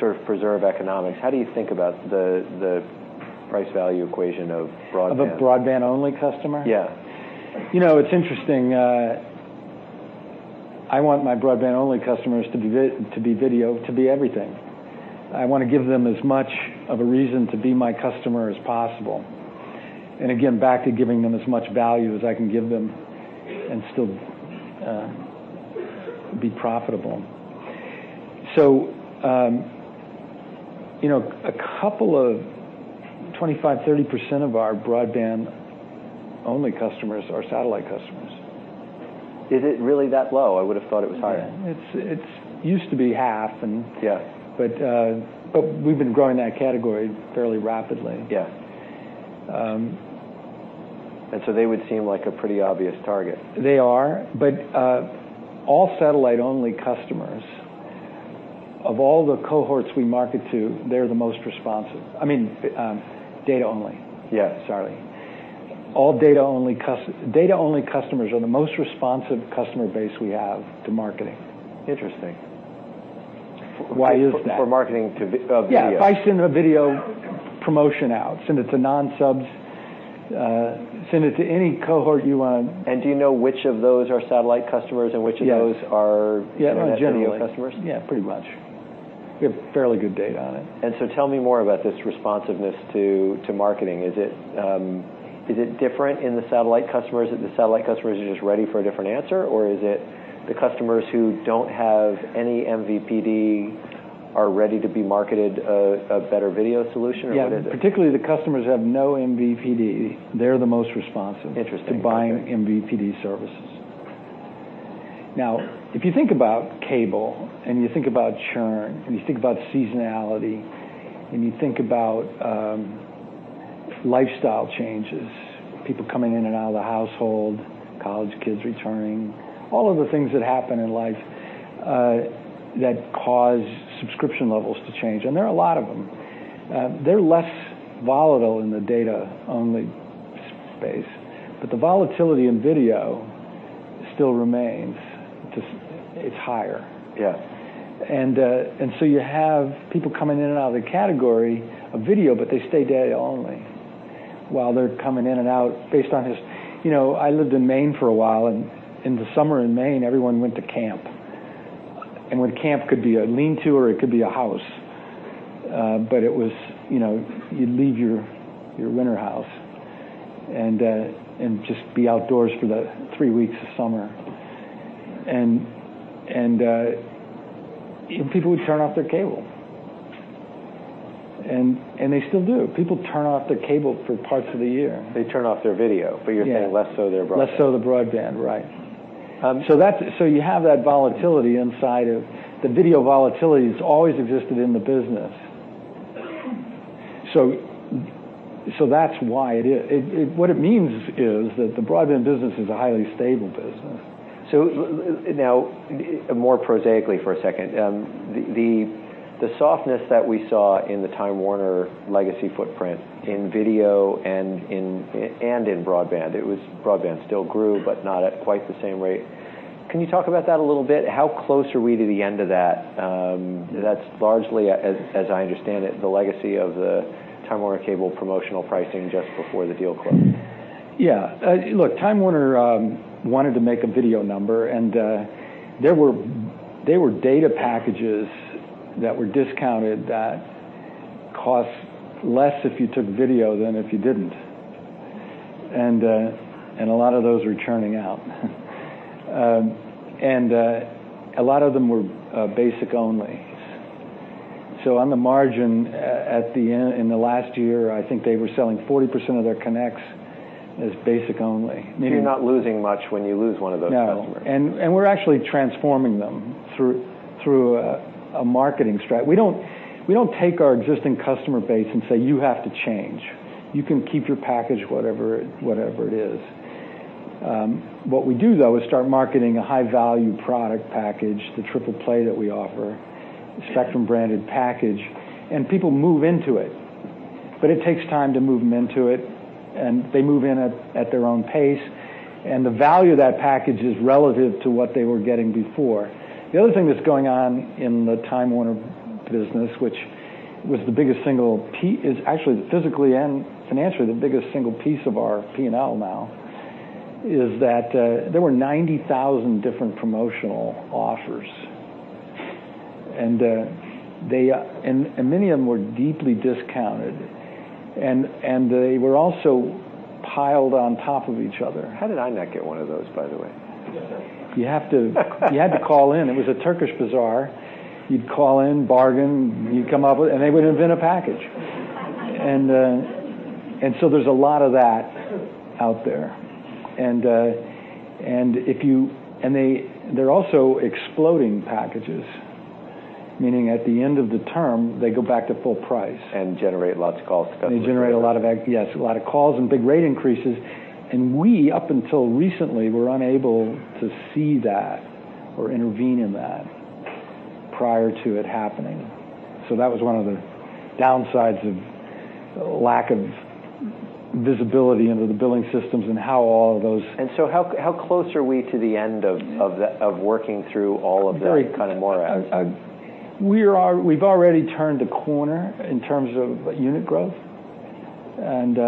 Speaker 1: sort of preserve economics. How do you think about the price value equation of broadband?
Speaker 4: Of a broadband-only customer?
Speaker 1: Yeah.
Speaker 4: It's interesting. I want my broadband-only customers to be video, to be everything. I want to give them as much of a reason to be my customer as possible. Again, back to giving them as much value as I can give them and still be profitable. A couple of 25%-30% of our broadband-only customers are satellite customers.
Speaker 1: Is it really that low? I would've thought it was higher.
Speaker 4: Yeah. It used to be half.
Speaker 1: Yes
Speaker 4: We've been growing that category fairly rapidly.
Speaker 1: Yes. They would seem like a pretty obvious target.
Speaker 4: They are. All satellite-only customers, of all the cohorts we market to, they're the most responsive. I mean, data-only.
Speaker 1: Yes.
Speaker 4: Sorry. Data-only customers are the most responsive customer base we have to marketing.
Speaker 1: Interesting.
Speaker 4: Why is that?
Speaker 1: For marketing of video.
Speaker 4: Yeah. If I send a video promotion out, send it to non-subs, send it to any cohort you want.
Speaker 1: Do you know which of those are satellite customers and which of those are.
Speaker 4: Yes
Speaker 1: internet video customers?
Speaker 4: Pretty much. We have fairly good data on it.
Speaker 1: Tell me more about this responsiveness to marketing. Is it different in the satellite customers? Are the satellite customers just ready for a different answer? Is it the customers who don't have any MVPD are ready to be marketed a better video solution, or what is it?
Speaker 4: Particularly the customers that have no MVPD, they're the most responsive.
Speaker 1: Interesting
Speaker 4: to buying MVPD services. If you think about cable, and you think about churn, and you think about seasonality, and you think about lifestyle changes, people coming in and out of the household, college kids returning, all of the things that happen in life that cause subscription levels to change, and there are a lot of them. They're less volatile in the data-only space. The volatility in video still remains. It's higher.
Speaker 1: Yes.
Speaker 4: You have people coming in and out of the category of video, but they stay data only while they're coming in and out based on this. I lived in Maine for a while, and in the summer in Maine, everyone went to camp. Camp could be a lean-to, or it could be a house. You'd leave your winter house and just be outdoors for the three weeks of summer, and people would turn off their cable, and they still do. People turn off their cable for parts of the year.
Speaker 1: They turn off their video.
Speaker 4: Yeah.
Speaker 1: You're saying less so their broadband.
Speaker 4: Less so the broadband, right. You have that volatility. The video volatility has always existed in the business. That's why it is. What it means is that the broadband business is a highly stable business.
Speaker 1: Now, more prosaically for a second, the softness that we saw in the Time Warner legacy footprint in video and in broadband still grew, but not at quite the same rate. Can you talk about that a little bit? How close are we to the end of that? That's largely, as I understand it, the legacy of the Time Warner Cable promotional pricing just before the deal closed.
Speaker 4: Yeah. Look, Time Warner wanted to make a video number, there were data packages that were discounted that cost less if you took video than if you didn't. A lot of those are churning out. A lot of them were basic only. On the margin, in the last year, I think they were selling 40% of their connects as basic only, meaning.
Speaker 1: You're not losing much when you lose one of those customers.
Speaker 4: No. We're actually transforming them through a marketing strat. We don't take our existing customer base and say, "You have to change. You can keep your package, whatever it is." What we do, though, is start marketing a high-value product package, the triple play that we offer, the Spectrum-branded package, and people move into it. It takes time to move them into it, and they move in at their own pace, and the value of that package is relative to what they were getting before. The other thing that's going on in the Time Warner business, which is actually physically and financially the biggest single piece of our P&L now, is that there were 90,000 different promotional offers, and many of them were deeply discounted. They were also piled on top of each other.
Speaker 1: How did I not get one of those, by the way?
Speaker 4: You had to call in. It was a Turkish bazaar. You'd call in, bargain, you'd come up with, they would invent a package. There's a lot of that out there. They're also exploding packages, meaning at the end of the term, they go back to full price.
Speaker 1: Generate lots of calls to customer service.
Speaker 4: They generate a lot of calls and big rate increases. We, up until recently, were unable to see that or intervene in that prior to it happening. That was one of the downsides of lack of visibility into the billing systems and how all of those-
Speaker 1: How close are we to the end of working through all of the kind of morass?
Speaker 4: We've already turned a corner in terms of unit growth, and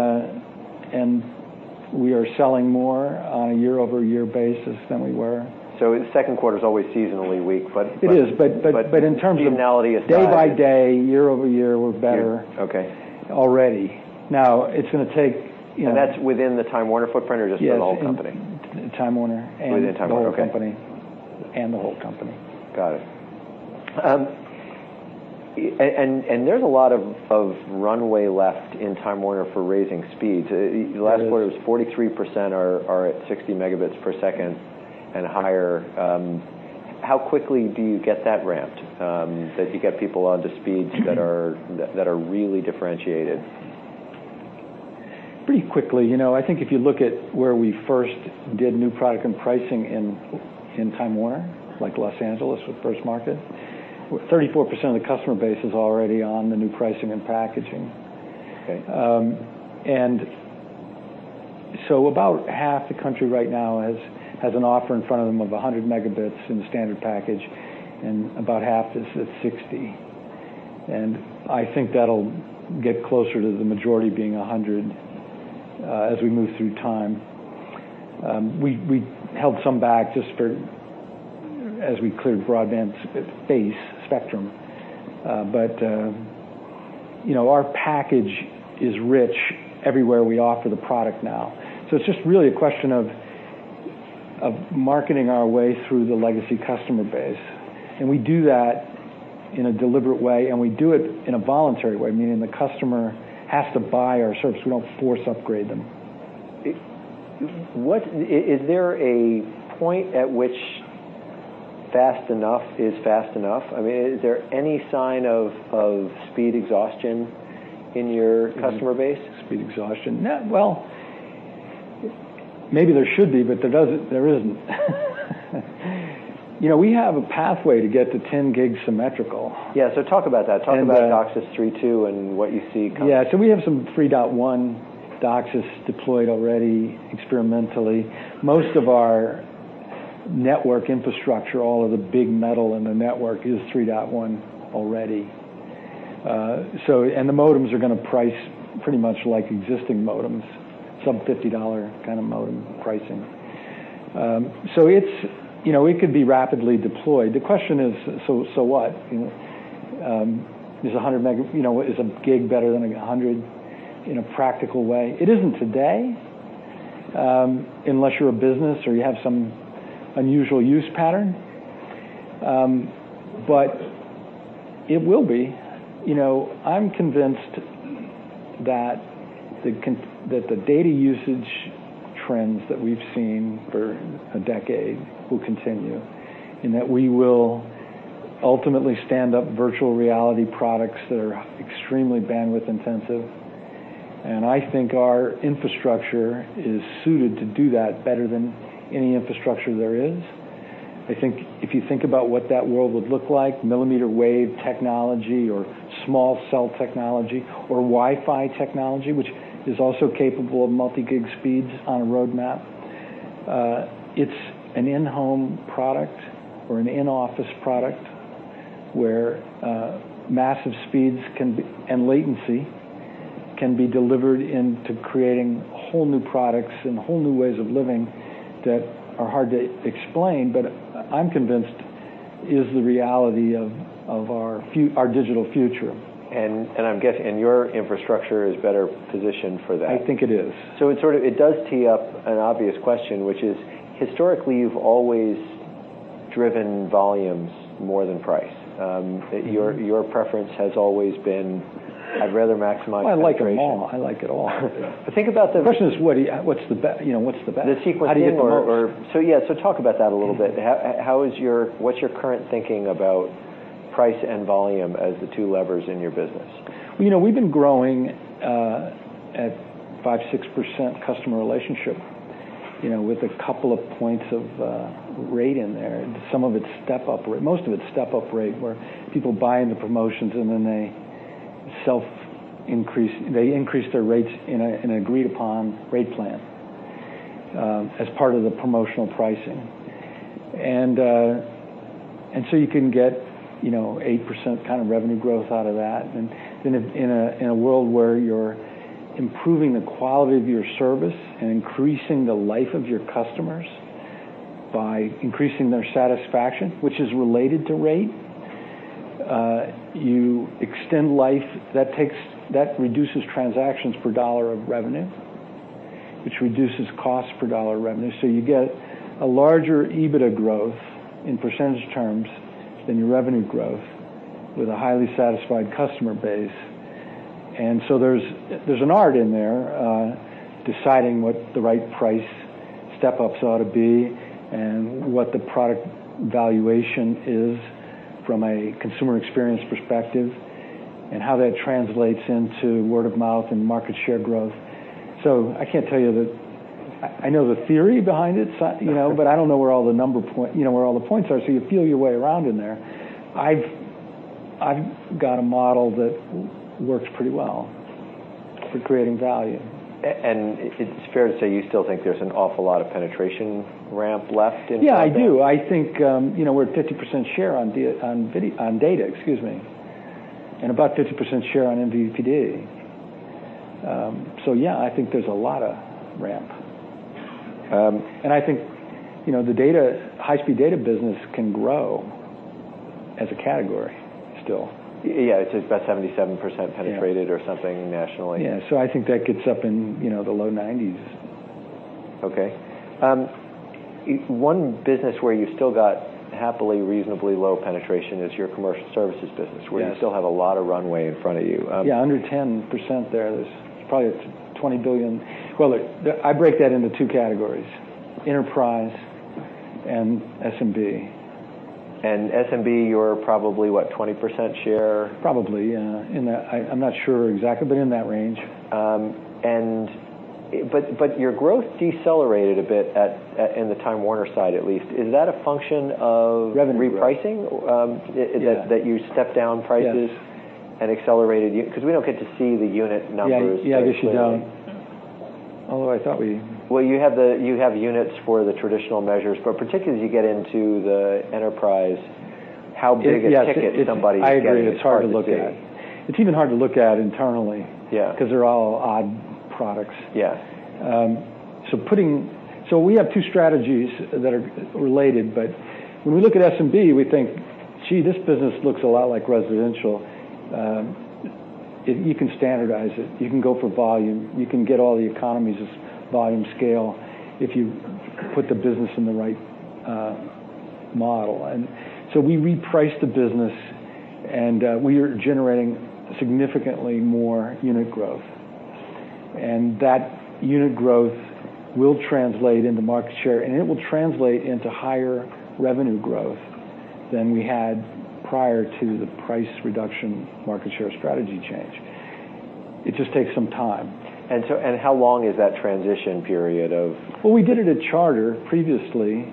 Speaker 4: we are selling more on a year-over-year basis than we were.
Speaker 1: The second quarter's always seasonally weak, but-
Speaker 4: It is, but in terms of.
Speaker 1: seasonality aside
Speaker 4: day by day, year-over-year, we're better.
Speaker 1: Yeah. Okay
Speaker 4: already. Now, it's going to.
Speaker 1: That's within the Time Warner footprint, or just the whole company?
Speaker 4: Yes, in Time Warner.
Speaker 1: Within Time Warner, okay.
Speaker 4: the whole company.
Speaker 1: Got it. There's a lot of runway left in Time Warner for raising speeds.
Speaker 4: There is.
Speaker 1: Last quarter, it was 43% are at 60 megabits per second and higher. How quickly do you get that ramped, that you get people onto speeds that are really differentiated?
Speaker 4: Pretty quickly. I think if you look at where we first did new product and pricing in Time Warner, like Los Angeles, the first market, 34% of the customer base is already on the new pricing and packaging.
Speaker 1: Okay.
Speaker 4: About half the country right now has an offer in front of them of 100 megabits in the standard package, and about half is at 60. I think that'll get closer to the majority being 100 as we move through time. We held some back as we cleared broadband space, spectrum. Our package is rich everywhere we offer the product now. It's just really a question of marketing our way through the legacy customer base, and we do that in a deliberate way, and we do it in a voluntary way, meaning the customer has to buy our service. We don't force upgrade them.
Speaker 1: Is there a point at which fast enough is fast enough? I mean, is there any sign of speed exhaustion in your customer base?
Speaker 4: Speed exhaustion? Well, maybe there should be, but there isn't. We have a pathway to get to 10 gig symmetrical.
Speaker 1: Yeah. Talk about that. Talk about DOCSIS 3.1 and what you see coming.
Speaker 4: Yeah. We have some 3.1 DOCSIS deployed already experimentally. Most of our network infrastructure, all of the big metal in the network is 3.1 already. The modems are going to price pretty much like existing modems, sub $50 kind of modem pricing. It could be rapidly deployed. The question is, so what? Is a gig better than 100 in a practical way? It isn't today, unless you're a business or you have some unusual use pattern, but it will be. I'm convinced that the data usage trends that we've seen for a decade will continue, that we will ultimately stand up virtual reality products that are extremely bandwidth intensive. I think our infrastructure is suited to do that better than any infrastructure there is. I think if you think about what that world would look like, millimeter wave technology or small cell technology or Wi-Fi technology, which is also capable of multi-gig speeds on a roadmap. It's an in-home product or an in-office product where massive speeds and latency can be delivered into creating whole new products and whole new ways of living that are hard to explain, but I'm convinced is the reality of our digital future.
Speaker 1: I'm guessing, and your infrastructure is better positioned for that.
Speaker 4: I think it is.
Speaker 1: It does tee up an obvious question, which is, historically, you've always driven volumes more than price. Your preference has always been, I'd rather maximize penetration.
Speaker 4: I like it all.
Speaker 1: Think about the.
Speaker 4: The question is, what's the best?
Speaker 1: The sequence is,
Speaker 4: How do you get the most?
Speaker 1: Yeah. Talk about that a little bit. What's your current thinking about price and volume as the two levers in your business?
Speaker 4: We've been growing at 5%, 6% customer relationship, with a couple of points of rate in there. Some of it's step-up rate. Most of it's step-up rate where people buy into promotions and then they increase their rates in an agreed-upon rate plan as part of the promotional pricing. You can get 8% kind of revenue growth out of that. In a world where you're improving the quality of your service and increasing the life of your customers by increasing their satisfaction, which is related to rate, you extend life. That reduces transactions per dollar of revenue, which reduces cost per dollar of revenue. You get a larger EBITDA growth in percentage terms than your revenue growth with a highly satisfied customer base. There's an art in there, deciding what the right price step-ups ought to be and what the product valuation is from a consumer experience perspective, and how that translates into word of mouth and market share growth. I can't tell you that I know the theory behind it, I don't know where all the points are, you feel your way around in there. I've got a model that works pretty well for creating value.
Speaker 1: It's fair to say you still think there's an awful lot of penetration ramp left inside there?
Speaker 4: Yeah, I do. I think we're at 50% share on data, and about 50% share on MVPD. Yeah, I think there's a lot of ramp. I think the high-speed data business can grow as a category still.
Speaker 1: It's about 77% penetrated or something nationally.
Speaker 4: I think that gets up in the low 90s.
Speaker 1: One business where you still got happily reasonably low penetration is your commercial services business.
Speaker 4: Yes
Speaker 1: where you still have a lot of runway in front of you.
Speaker 4: Yeah, under 10% there. There's probably $20 billion. Well, look, I break that into two categories, enterprise and SMB.
Speaker 1: SMB, you're probably what, 20% share?
Speaker 4: Probably, yeah. I'm not sure exactly, but in that range.
Speaker 1: Your growth decelerated a bit, in the Time Warner side at least. Is that a function of?
Speaker 4: Revenue growth
Speaker 1: repricing?
Speaker 4: Yeah.
Speaker 1: That you stepped down prices.
Speaker 4: Yes
Speaker 1: Accelerated unit, because we don't get to see the unit numbers.
Speaker 4: Yeah. I guess you don't.
Speaker 1: that clearly.
Speaker 4: Although I thought we.
Speaker 1: Well, you have units for the traditional measures, but particularly as you get into the enterprise, how big a ticket somebody is getting is hard to see.
Speaker 4: I agree. It's hard to look at. It's even hard to look at internally.
Speaker 1: Yeah
Speaker 4: They're all odd products.
Speaker 1: Yeah.
Speaker 4: We have two strategies that are related, when we look at SMB, we think, "Gee, this business looks a lot like residential." You can standardize it. You can go for volume. You can get all the economies of volume scale if you put the business in the right model. We repriced the business, we are generating significantly more unit growth. That unit growth will translate into market share, it will translate into higher revenue growth than we had prior to the price reduction market share strategy change. It just takes some time.
Speaker 1: How long is that transition period?
Speaker 4: Well, we did it at Charter previously.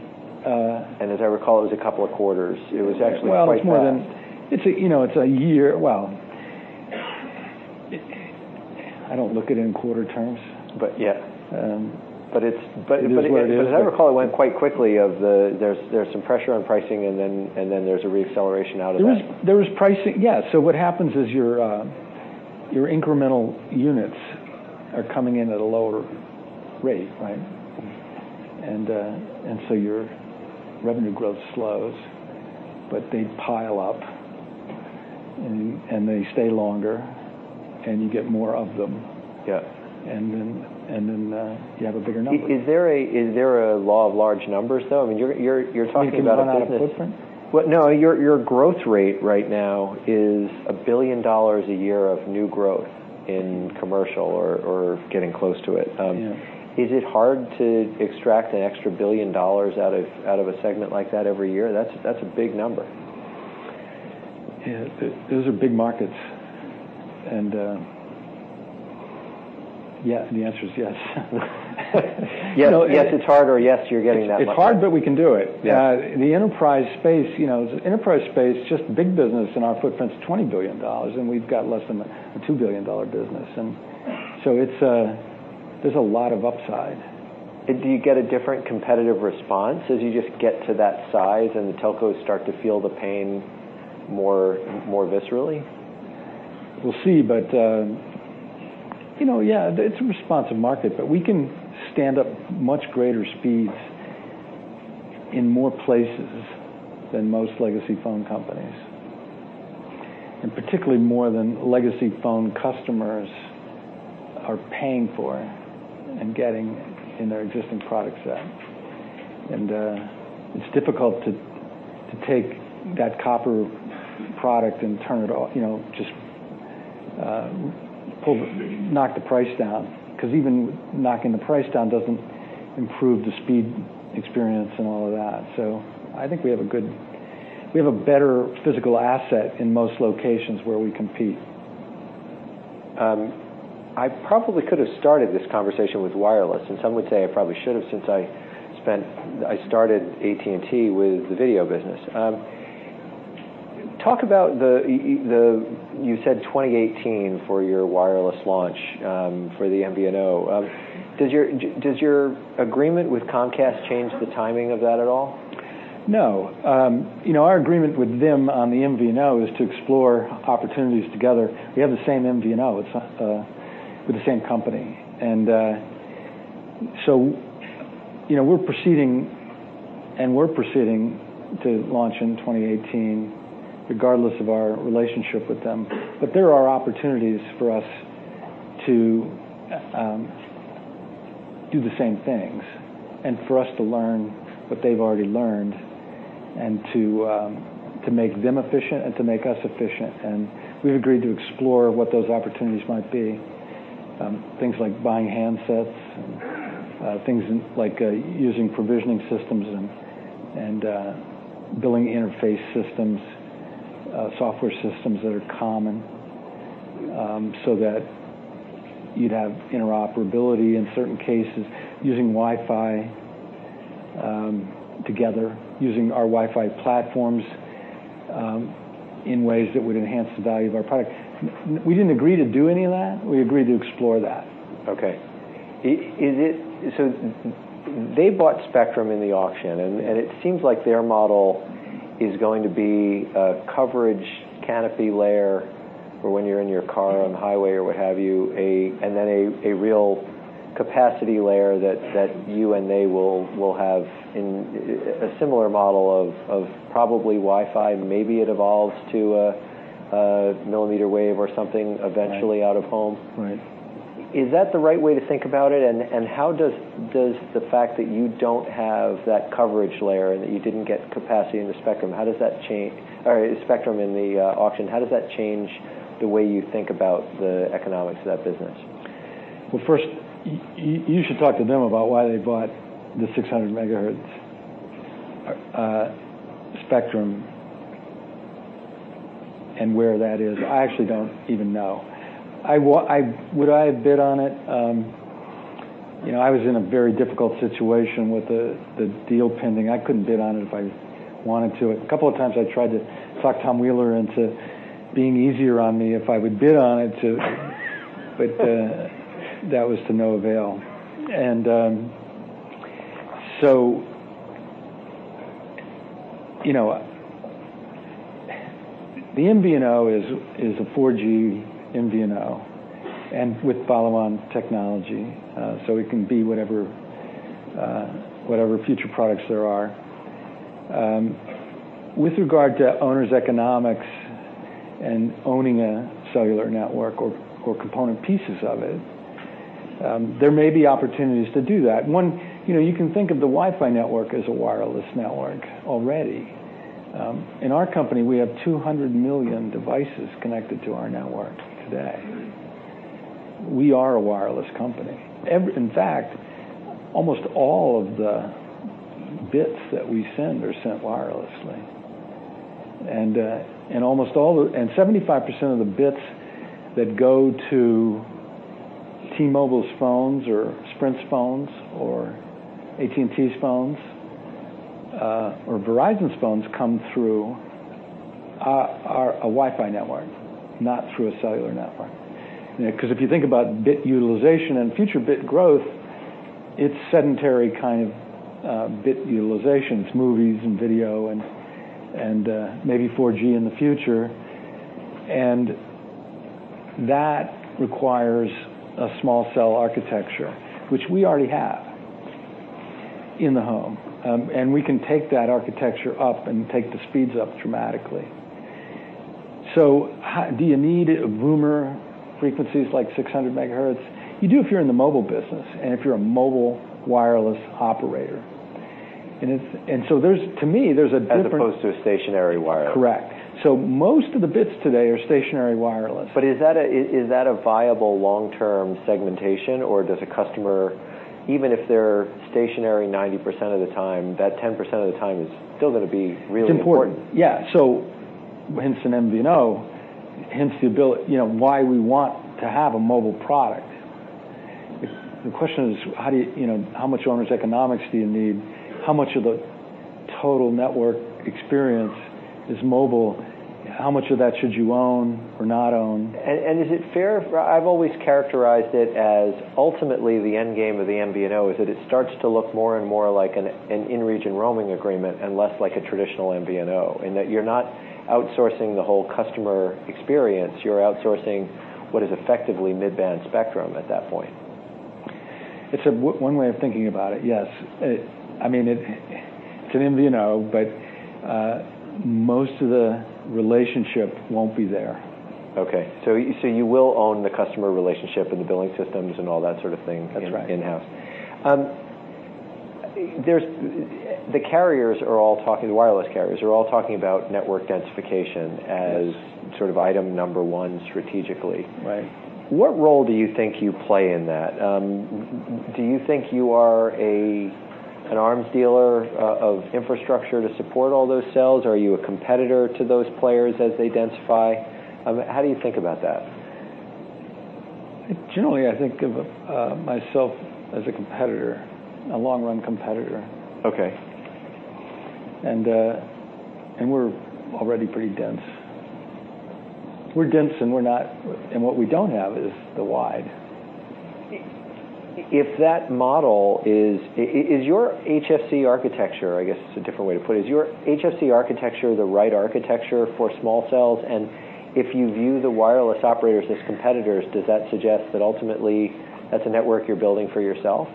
Speaker 1: As I recall, it was a couple of quarters. It was actually quite fast.
Speaker 4: It's a year. I don't look at it in quarter terms.
Speaker 1: Yeah
Speaker 4: it is what it is.
Speaker 1: As I recall, it went quite quickly and there's some pressure on pricing and then there's a re-acceleration out of that.
Speaker 4: There was pricing, yeah. What happens is your incremental units are coming in at a lower rate, right? Your revenue growth slows, but they pile up, and they stay longer, and you get more of them.
Speaker 1: Yeah.
Speaker 4: You have a bigger number.
Speaker 1: Is there a law of large numbers, though?
Speaker 4: You can run out of footprint.
Speaker 1: Well, no, your growth rate right now is $1 billion a year of new growth in commercial or getting close to it.
Speaker 4: Yeah.
Speaker 1: Is it hard to extract an extra $1 billion out of a segment like that every year? That's a big number.
Speaker 4: Yeah. Those are big markets, and the answer is yes.
Speaker 1: Yes, it's hard, or yes, you're getting that much out.
Speaker 4: It's hard, but we can do it.
Speaker 1: Yeah.
Speaker 4: The enterprise space, just big business in our footprint's $20 billion, and we've got less than a $2 billion business. There's a lot of upside.
Speaker 1: Do you get a different competitive response as you just get to that size, and the telcos start to feel the pain more viscerally?
Speaker 4: We'll see, but yeah, it's a responsive market. We can stand up much greater speeds in more places than most legacy phone companies, and particularly more than legacy phone customers are paying for and getting in their existing product set. It's difficult to take that copper product and just knock the price down, because even knocking the price down doesn't improve the speed experience and all of that. I think we have a better physical asset in most locations where we compete.
Speaker 1: I probably could've started this conversation with wireless, and some would say I probably should've since I started AT&T with the video business. Talk about, you said 2018 for your wireless launch for the MVNO. Does your agreement with Comcast change the timing of that at all?
Speaker 4: No. Our agreement with them on the MVNO is to explore opportunities together. We have the same MVNO. We're the same company. We're proceeding to launch in 2018 regardless of our relationship with them. There are opportunities for us to do the same things and for us to learn what they've already learned and to make them efficient and to make us efficient. We've agreed to explore what those opportunities might be. Things like buying handsets and things like using provisioning systems and billing interface systems, software systems that are common, so that you'd have interoperability in certain cases, using Wi-Fi together, using our Wi-Fi platforms in ways that would enhance the value of our product. We didn't agree to do any of that. We agreed to explore that.
Speaker 1: Okay. They bought spectrum in the auction, and it seems like their model is going to be a coverage canopy layer for when you're in your car on the highway or what have you, and then a real capacity layer that you and they will have in a similar model of probably Wi-Fi. Maybe it evolves to a millimeter wave or something eventually out of home.
Speaker 4: Right.
Speaker 1: Is that the right way to think about it? How does the fact that you don't have that coverage layer, and that you didn't get capacity in the spectrum in the auction, how does that change the way you think about the economics of that business?
Speaker 4: First, you should talk to them about why they bought the 600 MHz spectrum and where that is. I actually don't even know. Would I have bid on it? I was in a very difficult situation with the deal pending. I couldn't bid on it if I wanted to. A couple of times I tried to talk Tom Wheeler into being easier on me if I would bid on it to but that was to no avail. The MVNO is a 4G MVNO and with follow on technology, so it can be whatever future products there are. With regard to owners' economics and owning a cellular network or component pieces of it, there may be opportunities to do that. One, you can think of the Wi-Fi network as a wireless network already. In our company, we have 200 million devices connected to our network today. We are a wireless company. In fact, almost all of the bits that we send are sent wirelessly. 75% of the bits that go to T-Mobile's phones or Sprint's phones or AT&T's phones, or Verizon's phones come through a Wi-Fi network, not through a cellular network. If you think about bit utilization and future bit growth, it's sedentary kind of bit utilization. It's movies and video and maybe 4K in the future. That requires a small cell architecture, which we already have in the home. We can take that architecture up and take the speeds up dramatically. So do you need boomer frequencies like 600 MHz? You do if you're in the mobile business and if you're a mobile wireless operator. To me, there's a different-
Speaker 1: As opposed to a stationary wireless.
Speaker 4: Correct. Most of the bits today are stationary wireless.
Speaker 1: Is that a viable long-term segmentation or does a customer, even if they're stationary 90% of the time, that 10% of the time is still going to be really important?
Speaker 4: It's important. Hence an MVNO, hence why we want to have a mobile product. The question is, how much owner's economics do you need? How much of the total network experience is mobile? How much of that should you own or not own?
Speaker 1: I've always characterized it as ultimately the end game of the MVNO is that it starts to look more and more like an in-region roaming agreement and less like a traditional MVNO, in that you're not outsourcing the whole customer experience. You're outsourcing what is effectively mid-band spectrum at that point.
Speaker 4: It's one way of thinking about it, yes. It's an MVNO, most of the relationship won't be there.
Speaker 1: Okay. You will own the customer relationship and the billing systems and all that sort of thing.
Speaker 4: That's right.
Speaker 1: in-house. The wireless carriers are all talking about network densification as item number 1 strategically.
Speaker 4: Right.
Speaker 1: What role do you think you play in that? Do you think you are an arms dealer of infrastructure to support all those cells, or are you a competitor to those players as they densify? How do you think about that?
Speaker 4: Generally, I think of myself as a competitor, a long-run competitor.
Speaker 1: Okay.
Speaker 4: We're already pretty dense. We're dense and what we don't have is the wide.
Speaker 1: Is your HFC architecture, I guess, is a different way to put it. Is your HFC architecture the right architecture for small cells? If you view the wireless operators as competitors, does that suggest that ultimately that's a network you're building for yourself?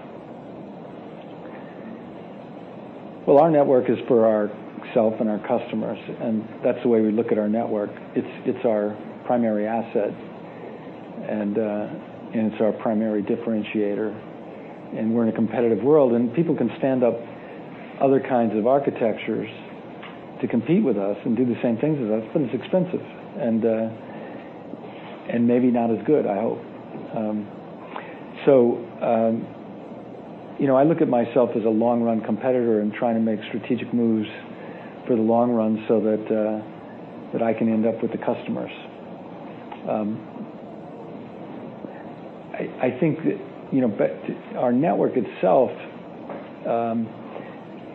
Speaker 4: Well, our network is for ourself and our customers, and that's the way we look at our network. It's our primary asset and it's our primary differentiator. We're in a competitive world, and people can stand up other kinds of architectures to compete with us and do the same things as us, but it's expensive and maybe not as good, I hope. I look at myself as a long-run competitor and trying to make strategic moves for the long run so that I can end up with the customers. I think that our network itself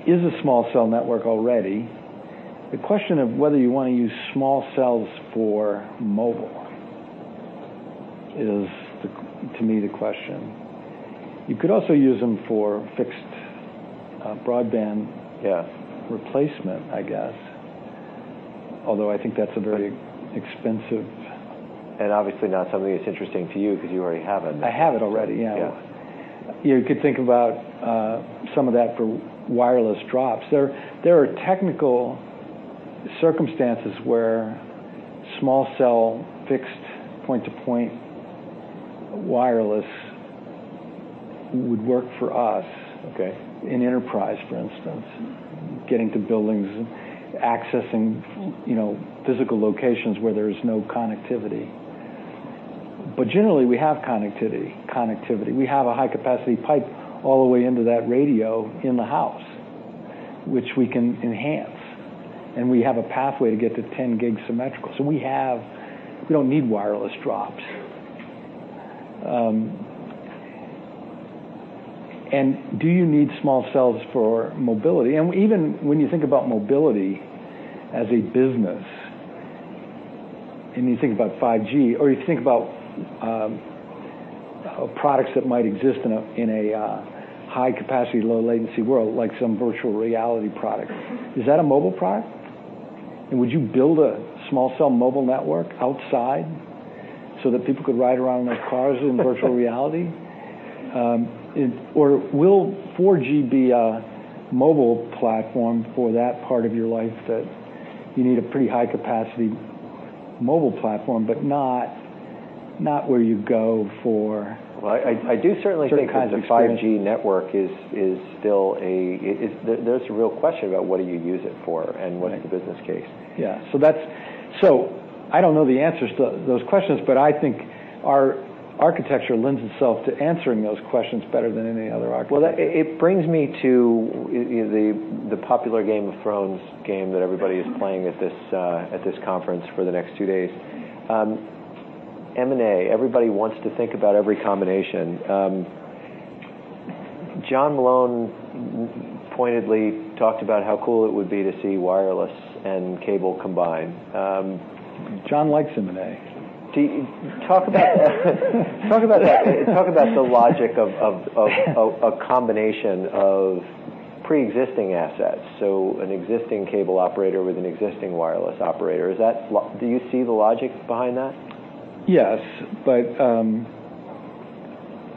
Speaker 4: is a small cell network already. The question of whether you want to use small cells for mobile is, to me, the question. You could also use them for fixed broadband.
Speaker 1: Yeah
Speaker 4: replacement, I guess. Although I think that's a very expensive.
Speaker 1: Obviously not something that's interesting to you because you already have it.
Speaker 4: I have it already, yeah.
Speaker 1: Yeah.
Speaker 4: You could think about some of that for wireless drops. There are technical circumstances where small cell fixed point-to-point wireless would work for us.
Speaker 1: Okay.
Speaker 4: In enterprise, for instance, getting to buildings, accessing physical locations where there's no connectivity. Generally, we have connectivity. We have a high capacity pipe all the way into that radio in the house, which we can enhance. We have a pathway to get to 10 gig symmetrical. We don't need wireless drops. Do you need small cells for mobility? Even when you think about mobility as a business, and you think about 5G or you think about products that might exist in a high capacity, low latency world, like some virtual reality product, is that a mobile product? Would you build a small cell mobile network outside so that people could ride around in their cars in virtual reality? Will 4G be a mobile platform for that part of your life that you need a pretty high capacity mobile platform, but not where you go for.
Speaker 1: Well, I do certainly think.
Speaker 4: certain kinds of experience.
Speaker 1: the 5G network, there's a real question about what do you use it for and what is the business case.
Speaker 4: Yeah. I don't know the answers to those questions, but I think our architecture lends itself to answering those questions better than any other architecture.
Speaker 1: Well, that, it brings me to the popular "Game of Thrones" game that everybody is playing at this conference for the next two days. M&A, everybody wants to think about every combination. John Malone pointedly talked about how cool it would be to see wireless and cable combined.
Speaker 4: John likes M&A.
Speaker 1: Talk about the logic of a combination of preexisting assets, so an existing cable operator with an existing wireless operator. Do you see the logic behind that?
Speaker 4: Yes, I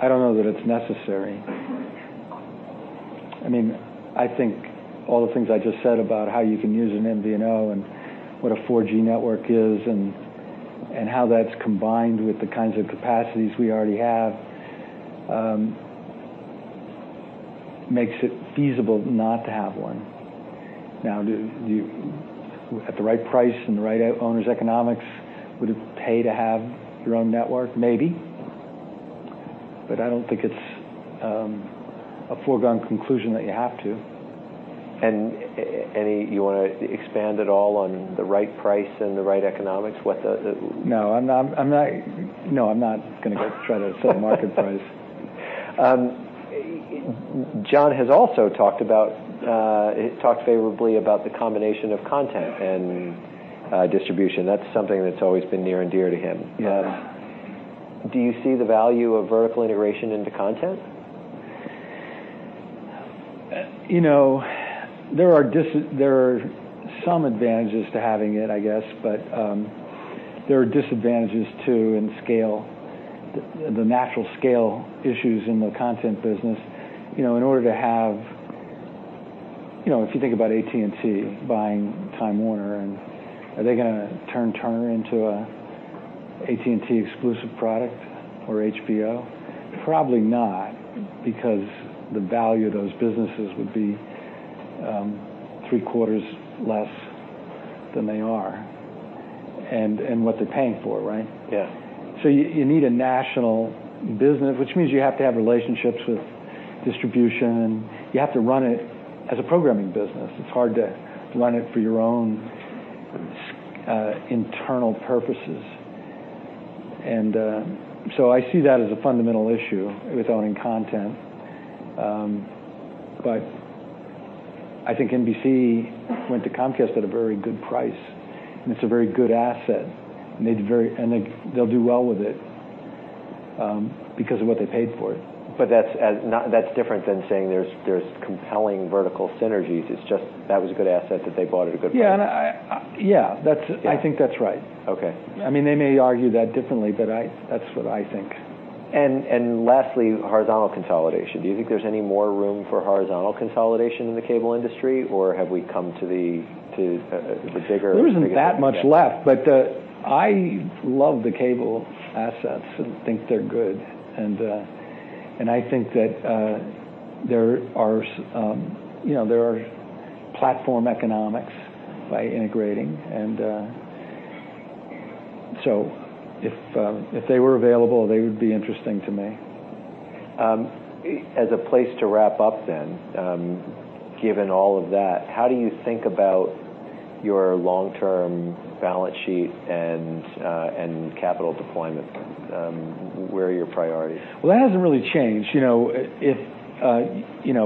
Speaker 4: don't know that it's necessary. I think all the things I just said about how you can use an MVNO and what a 4G network is and how that's combined with the kinds of capacities we already have makes it feasible not to have one. At the right price and the right owner's economics, would it pay to have your own network? Maybe. I don't think it's a foregone conclusion that you have to.
Speaker 1: You want to expand at all on the right price and the right economics?
Speaker 4: No, I'm not going to go try to sell market price.
Speaker 1: John has also talked favorably about the combination of content and distribution. That's something that's always been near and dear to him.
Speaker 4: Yes.
Speaker 1: Do you see the value of vertical integration into content?
Speaker 4: There are some advantages to having it, I guess, but there are disadvantages, too, and scale, the natural scale issues in the content business. If you think about AT&T buying Time Warner, are they going to turn Turner into an AT&T-exclusive product or HBO? Probably not, because the value of those businesses would be three-quarters less than they are and what they're paying for it, right?
Speaker 1: Yeah.
Speaker 4: You need a national business, which means you have to have relationships with distribution, and you have to run it as a programming business. It's hard to run it for your own internal purposes. I see that as a fundamental issue with owning content. I think NBC went to Comcast at a very good price, and it's a very good asset, and they'll do well with it because of what they paid for it.
Speaker 1: That's different than saying there's compelling vertical synergies. It's just that was a good asset that they bought at a good price.
Speaker 4: Yeah. I think that's right.
Speaker 1: Okay.
Speaker 4: They may argue that differently, but I, that's what I think.
Speaker 1: Lastly, horizontal consolidation. Do you think there's any more room for horizontal consolidation in the cable industry, or have we come to the bigger-
Speaker 4: There isn't that much left, I love the cable assets and think they're good. I think that there are platform economics by integrating. If they were available, they would be interesting to me.
Speaker 1: As a place to wrap up, given all of that, how do you think about your long-term balance sheet and capital deployment? Where are your priorities?
Speaker 4: Well, that hasn't really changed. If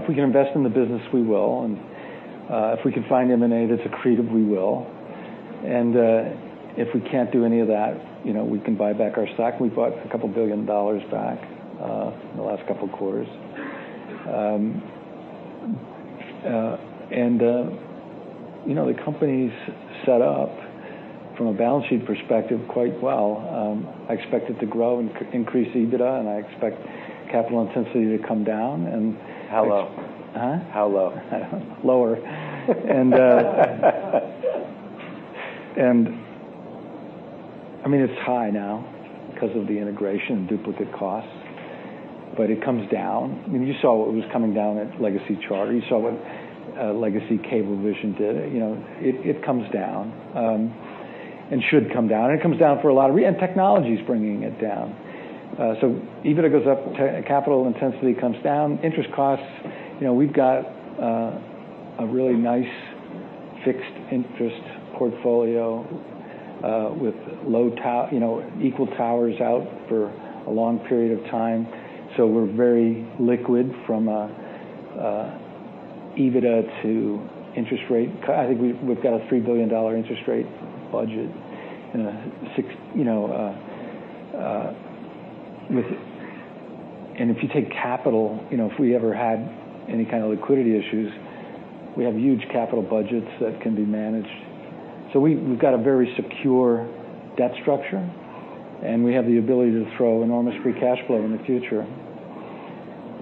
Speaker 4: we can invest in the business, we will. If we can find M&A that's accretive, we will. If we can't do any of that, we can buy back our stock. We bought a couple billion dollars back in the last couple quarters. The company's set up from a balance sheet perspective quite well. I expect it to grow and increase EBITDA, I expect capital intensity to come down.
Speaker 1: How low?
Speaker 4: Huh?
Speaker 1: How low?
Speaker 4: Lower. It's high now because of the integration and duplicate costs, but it comes down. You saw what was coming down at Legacy Charter. You saw what Legacy Cablevision did. It comes down and should come down. It comes down for a lot of re-- And technology's bringing it down. EBITDA goes up, capital intensity comes down. Interest costs, we've got a really nice fixed interest portfolio, with equal towers out for a long period of time. We're very liquid from an EBITDA to interest rate. I think we've got a $3 billion interest rate budget in a six, with. If you take capital, if we ever had any kind of liquidity issues, we have huge capital budgets that can be managed. We've got a very secure debt structure, and we have the ability to throw enormous free cash flow in the future.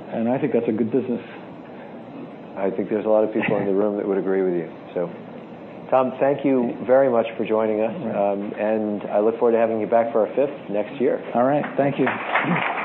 Speaker 4: I think that's a good business.
Speaker 1: I think there's a lot of people in the room that would agree with you. Tom, thank you very much for joining us.
Speaker 4: You bet.
Speaker 1: I look forward to having you back for our fifth next year.
Speaker 4: All right. Thank you.